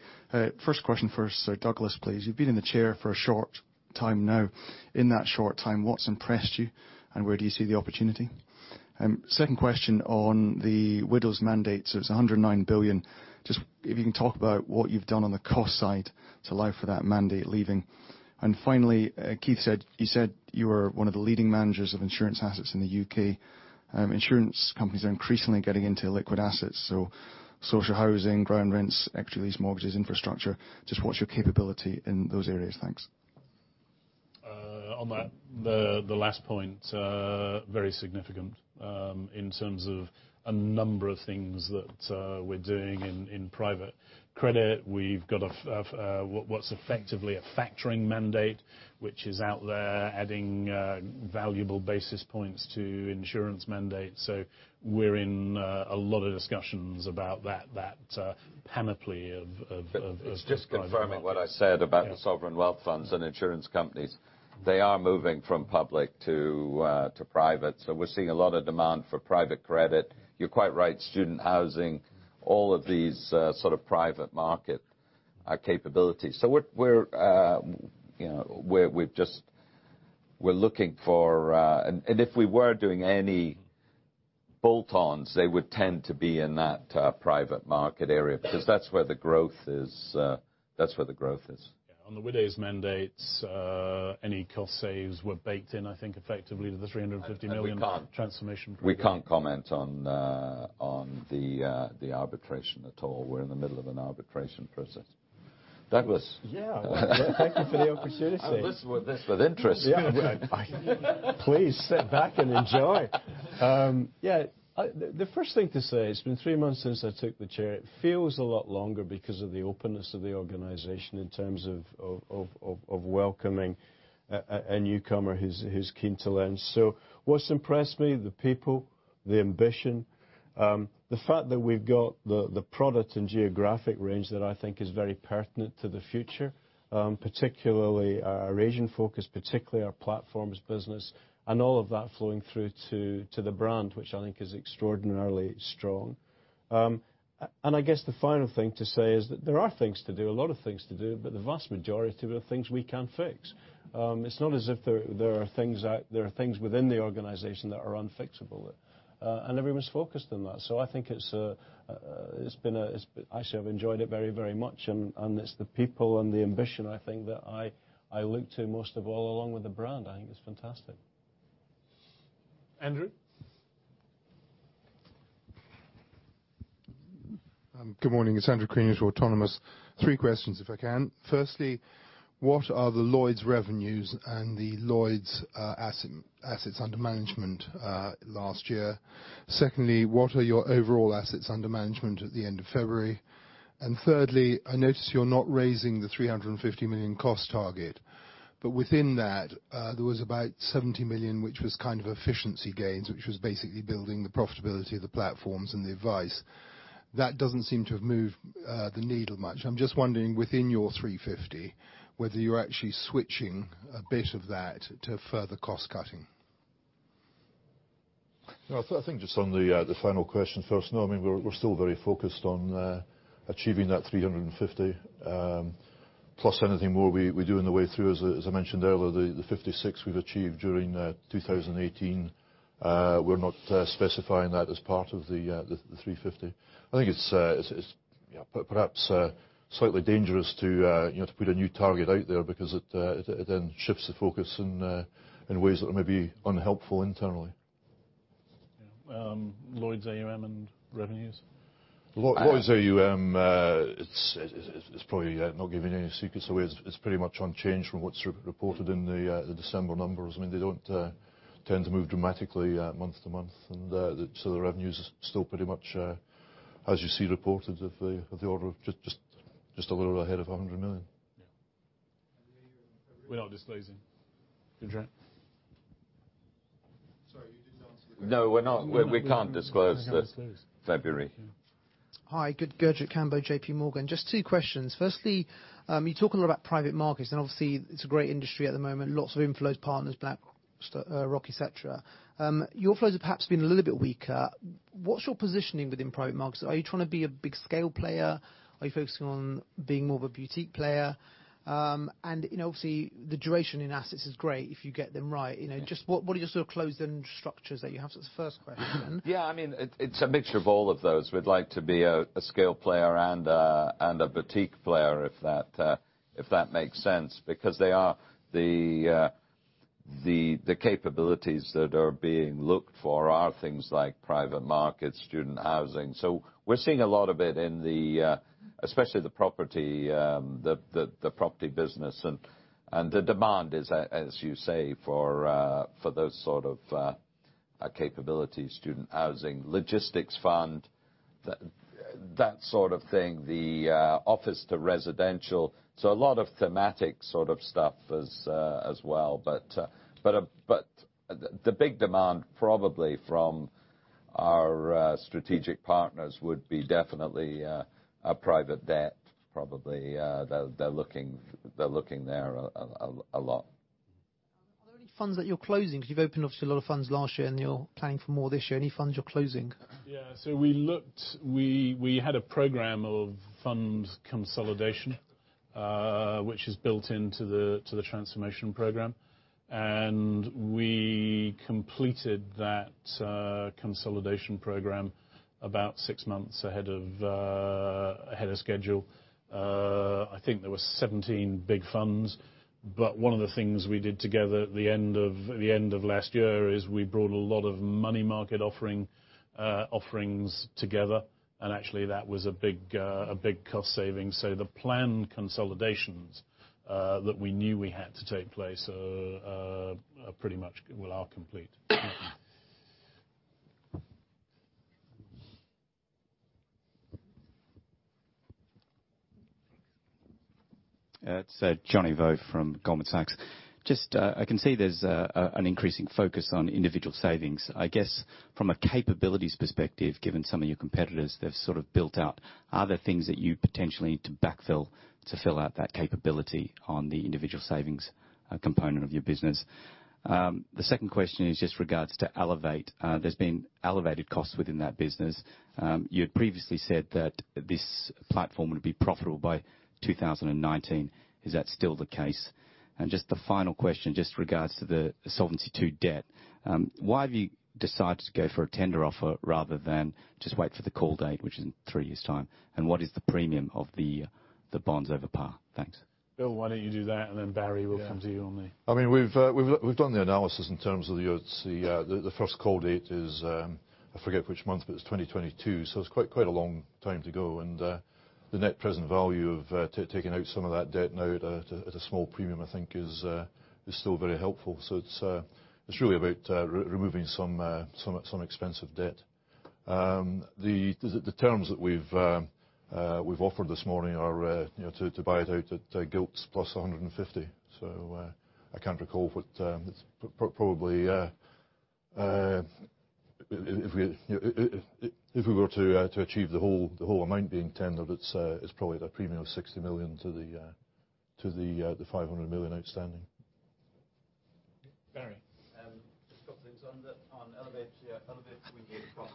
First question first, Douglas, please. You've been in the chair for a short time now. In that short time, what's impressed you and where do you see the opportunity? Second question on the Widows mandate. It's 109 billion. Just if you can talk about what you've done on the cost side to allow for that mandate leaving. Finally, Keith, you said you were one of the leading managers of insurance assets in the U.K. Insurance companies are increasingly getting into liquid assets, so social housing, ground rents, equity lease mortgages, infrastructure. Just what's your capability in those areas? Thanks. On the last point, very significant in terms of a number of things that we're doing in private credit. We've got what's effectively a factoring mandate, which is out there adding valuable basis points to insurance mandates. We're in a lot of discussions about that panoply of- It's just confirming what I said about the sovereign wealth funds and insurance companies. They are moving from public to private. We're seeing a lot of demand for private credit. You're quite right, student housing, all of these sort of private market capabilities. If we were doing any bolt-ons, they would tend to be in that private market area, because that's where the growth is. Yeah. On the Widows mandates, any cost saves were baked in, I think, effectively to the 350 million- And we can't- transformation program. We can't comment on the arbitration at all. We're in the middle of an arbitration process. Douglas? Yeah. Thank you for the opportunity. I've listened with interest. Please, sit back and enjoy. The first thing to say, it's been three months since I took the chair. It feels a lot longer because of the openness of the organization in terms of welcoming a newcomer who's keen to learn. What's impressed me, the people, the ambition, the fact that we've got the product and geographic range that I think is very pertinent to the future. Particularly our Asian focus, particularly our platforms business, and all of that flowing through to the brand, which I think is extraordinarily strong. I guess the final thing to say is that there are things to do, a lot of things to do, but the vast majority of it are things we can fix. It's not as if there are things within the organization that are unfixable. Everyone's focused on that. I think it's been Actually, I've enjoyed it very much. It's the people and the ambition, I think, that I look to most of all, along with the brand, I think is fantastic. Andrew? Good morning. It's Andrew Crean, with Autonomous. Three questions if I can. Firstly, what are the Lloyds revenues and the Lloyds assets under management last year? Secondly, what are your overall assets under management at the end of February? Thirdly, I notice you're not raising the 350 million cost target, but within that, there was about 70 million, which was kind of efficiency gains, which was basically building the profitability of the platforms and the advice. That doesn't seem to have moved the needle much. I'm just wondering, within your 350, whether you're actually switching a bit of that to further cost cutting. I think just on the final question first. No, we're still very focused on achieving that 350, plus anything more we do on the way through. As I mentioned earlier, the 56 we've achieved during 2018, we're not specifying that as part of the 350. I think it's perhaps slightly dangerous to put a new target out there because it then shifts the focus in ways that are maybe unhelpful internally. Yeah. Lloyds AUM and revenues. Lloyds AUM, it's probably not giving any secrets away. It's pretty much unchanged from what's reported in the December numbers. They don't tend to move dramatically month to month. The revenues are still pretty much as you see reported, of the order of just a little ahead of 100 million. Yeah. We're not disclosing February. We're not disclosing. No, we can't disclose. Can't disclose. February. Yeah. Hi. Good. Gurjit Kambo, J.P. Morgan. Just two questions. Firstly, you talk a lot about private markets, obviously it's a great industry at the moment. Lots of inflows, Partners Group, BlackRock, et cetera. Your flows have perhaps been a little bit weaker. What's your positioning within private markets? Are you trying to be a big scale player? Are you focusing on being more of a boutique player? obviously, the duration in assets is great if you get them right. Yeah. Just what are your sort of closed-end structures that you have? That's the first question. Yeah, it's a mixture of all of those. We'd like to be a scale player and a boutique player, if that makes sense, because they are the capabilities that are being looked for, are things like private markets, student housing. We're seeing a lot of it in especially the property business. The demand is, as you say, for those sort of capabilities, student housing, logistics fund, that sort of thing, the office to residential. A lot of thematic sort of stuff as well. The big demand probably from our strategic partners would be definitely private debt probably. They're looking there a lot. Are there any funds that you're closing? Because you've opened obviously a lot of funds last year, and you're planning for more this year. Any funds you're closing? Yeah, we looked. We had a program of funds consolidation, which is built into the transformation program. We completed that consolidation program about six months ahead of schedule. I think there were 17 big funds. One of the things we did together at the end of last year is we brought a lot of money market offerings together, and actually that was a big cost saving. The planned consolidations that we knew we had to take place pretty much are complete. Johnny Vo from Goldman Sachs. I can see there's an increasing focus on individual savings. I guess from a capabilities perspective, given some of your competitors, they've sort of built out other things that you potentially need to backfill to fill out that capability on the individual savings component of your business. The second question is just regards to Elevate. There's been elevated costs within that business. You had previously said that this platform would be profitable by 2019. Is that still the case? Just the final question, just regards to the Solvency II debt. Why have you decided to go for a tender offer rather than just wait for the call date, which is in three years' time? What is the premium of the bonds over par? Thanks. Bill, why don't you do that and then Barry, we'll come to you on the I mean, we've done the analysis in terms of the first call date is, I forget which month, but it's 2022. It's quite a long time to go. The net present value of taking out some of that debt now at a small premium, I think is still very helpful. It's really about removing some expensive debt. The terms that we've offered this morning are to buy it out at gilts plus 150. I can't recall what-- It's probably if we were to achieve the whole amount being tendered, it's probably at a premium of 60 million to the 500 million outstanding. Barry. Just a couple things. On Elevate, yeah, Elevate, we gave guidance 2018,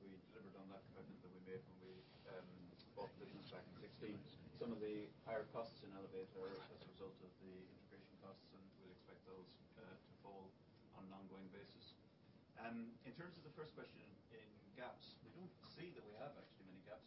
we delivered on that commitment that we made when we bought the business back in 2016. Some of the higher costs in Elevate are as a result of the integration costs, and we'll expect those to fall on an ongoing basis. In terms of the first question, in gaps, we don't see that we have actually many gaps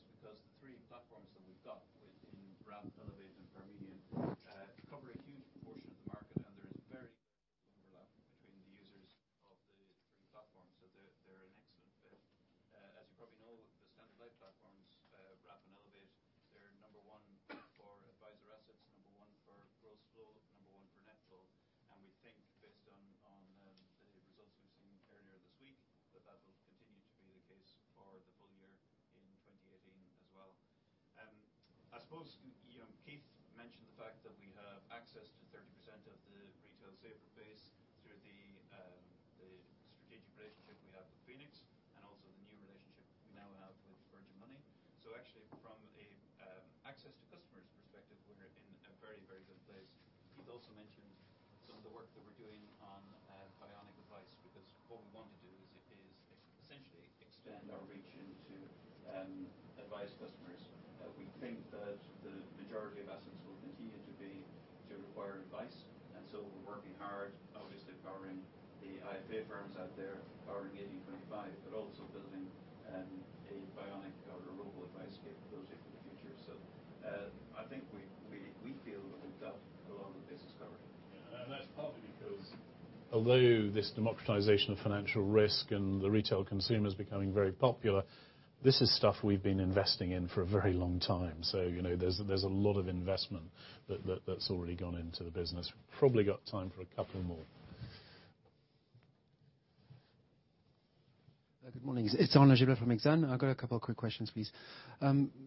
reach into advice customers. We think that the majority of assets will continue to require advice, we're working hard, obviously powering the IFA firms out there, powering the 1825, but also building a bionic or a robo-advice capability for the future. I think we feel that we've got a lot of the base covered. That's partly because although this democratization of financial risk and the retail consumer is becoming very popular, this is stuff we've been investing in for a very long time. There's a lot of investment that's already gone into the business. Probably got time for a couple more. Good morning. It's Arnaud Giblat from Exane. I've got a couple of quick questions, please.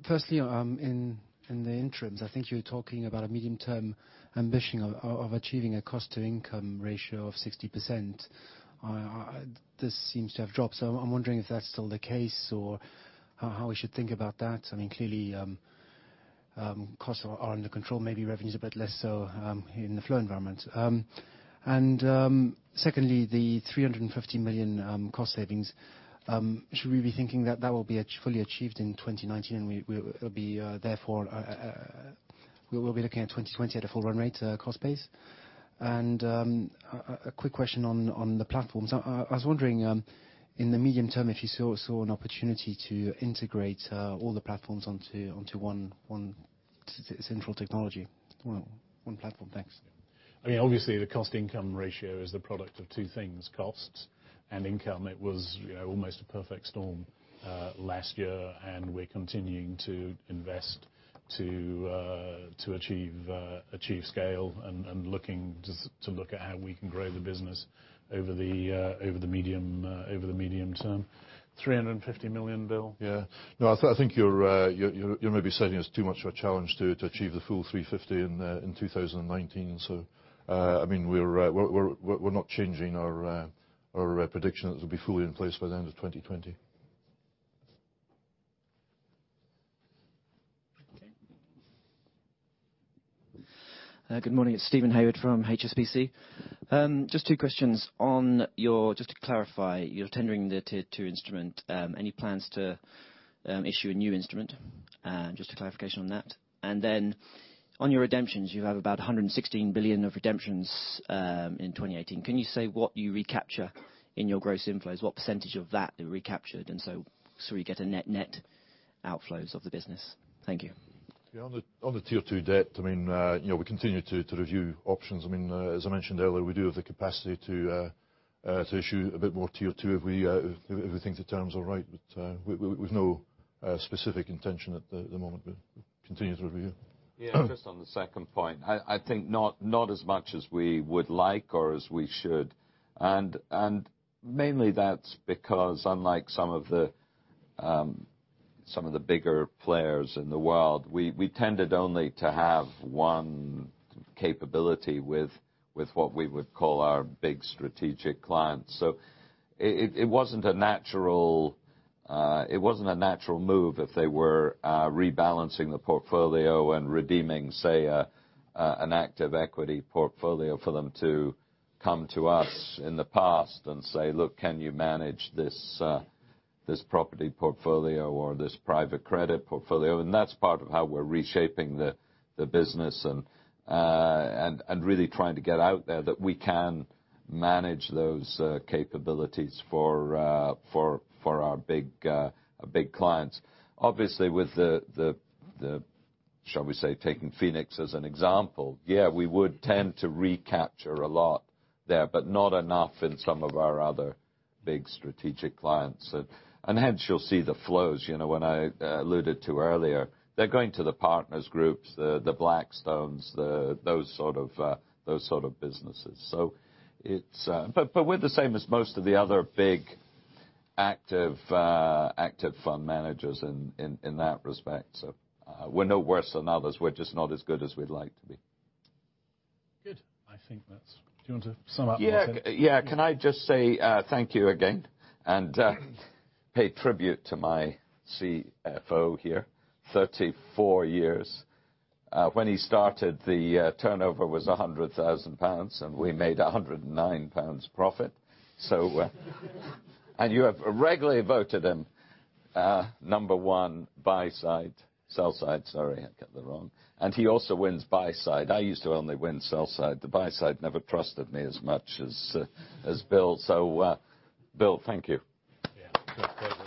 Firstly, in the interims, I think you were talking about a medium term ambition of achieving a cost to income ratio of 60%. This seems to have dropped. I'm wondering if that's still the case or how we should think about that. I mean, clearly, costs are under control, maybe revenue's a bit less so in the flow environment. Secondly, the 350 million cost savings, should we be thinking that that will be fully achieved in 2019 and we will be looking at 2020 at a full run rate cost base? A quick question on the platforms. I was wondering, in the medium term, if you saw an opportunity to integrate all the platforms onto one central technology. Well, one platform. Thanks. I mean, obviously the cost income ratio is the product of two things, costs and income. It was almost a perfect storm last year. We're continuing to invest to achieve scale and looking to look at how we can grow the business over the medium term. 350 million, Bill? Yeah. No, I think you're maybe setting us too much of a challenge to achieve the full 350 in 2019. I mean, we're not changing our prediction that it will be fully in place by the end of 2020. Okay. Good morning. It's Steven Haywood from HSBC. Just two questions. Just to clarify, you're tendering the Tier 2 instrument. Any plans to issue a new instrument? Just a clarification on that. On your redemptions, you have about 116 billion of redemptions in 2018. Can you say what you recapture in your gross inflows? What % of that are recaptured? We get a net outflows of the business. Thank you. Yeah, on the Tier 2 debt, I mean, we continue to review options. I mean, as I mentioned earlier, we do have the capacity to issue a bit more Tier 2 if we think the terms are right. With no specific intention at the moment. We continue to review. Yeah, just on the second point. I think not as much as we would like or as we should. Mainly that's because unlike some of the Some of the bigger players in the world, we tended only to have one capability with what we would call our big strategic clients. It wasn't a natural move if they were rebalancing the portfolio and redeeming, say, an active equity portfolio for them to come to us in the past and say, "Look, can you manage this property portfolio or this private credit portfolio?" That's part of how we're reshaping the business and really trying to get out there that we can manage those capabilities for our big clients. Obviously, with the, shall we say, taking Phoenix as an example, yeah, we would tend to recapture a lot there, not enough in some of our other big strategic clients. Hence you'll see the flows. When I alluded to earlier, they're going to the Partners Groups, the Blackstones, those sort of businesses. We're the same as most of the other big active fund managers in that respect. We're no worse than others. We're just not as good as we'd like to be. Good. I think that's Do you want to sum up? Yeah. Can I just say thank you again, and pay tribute to my CFO here. 34 years. When he started, the turnover was 100,000 pounds, and we made 109 pounds profit. You have regularly voted him number one buy side. Sell side, sorry, I got that wrong. He also wins buy side. I used to only win sell side. The buy side never trusted me as much as Bill. Bill, thank you. Yeah. My pleasure.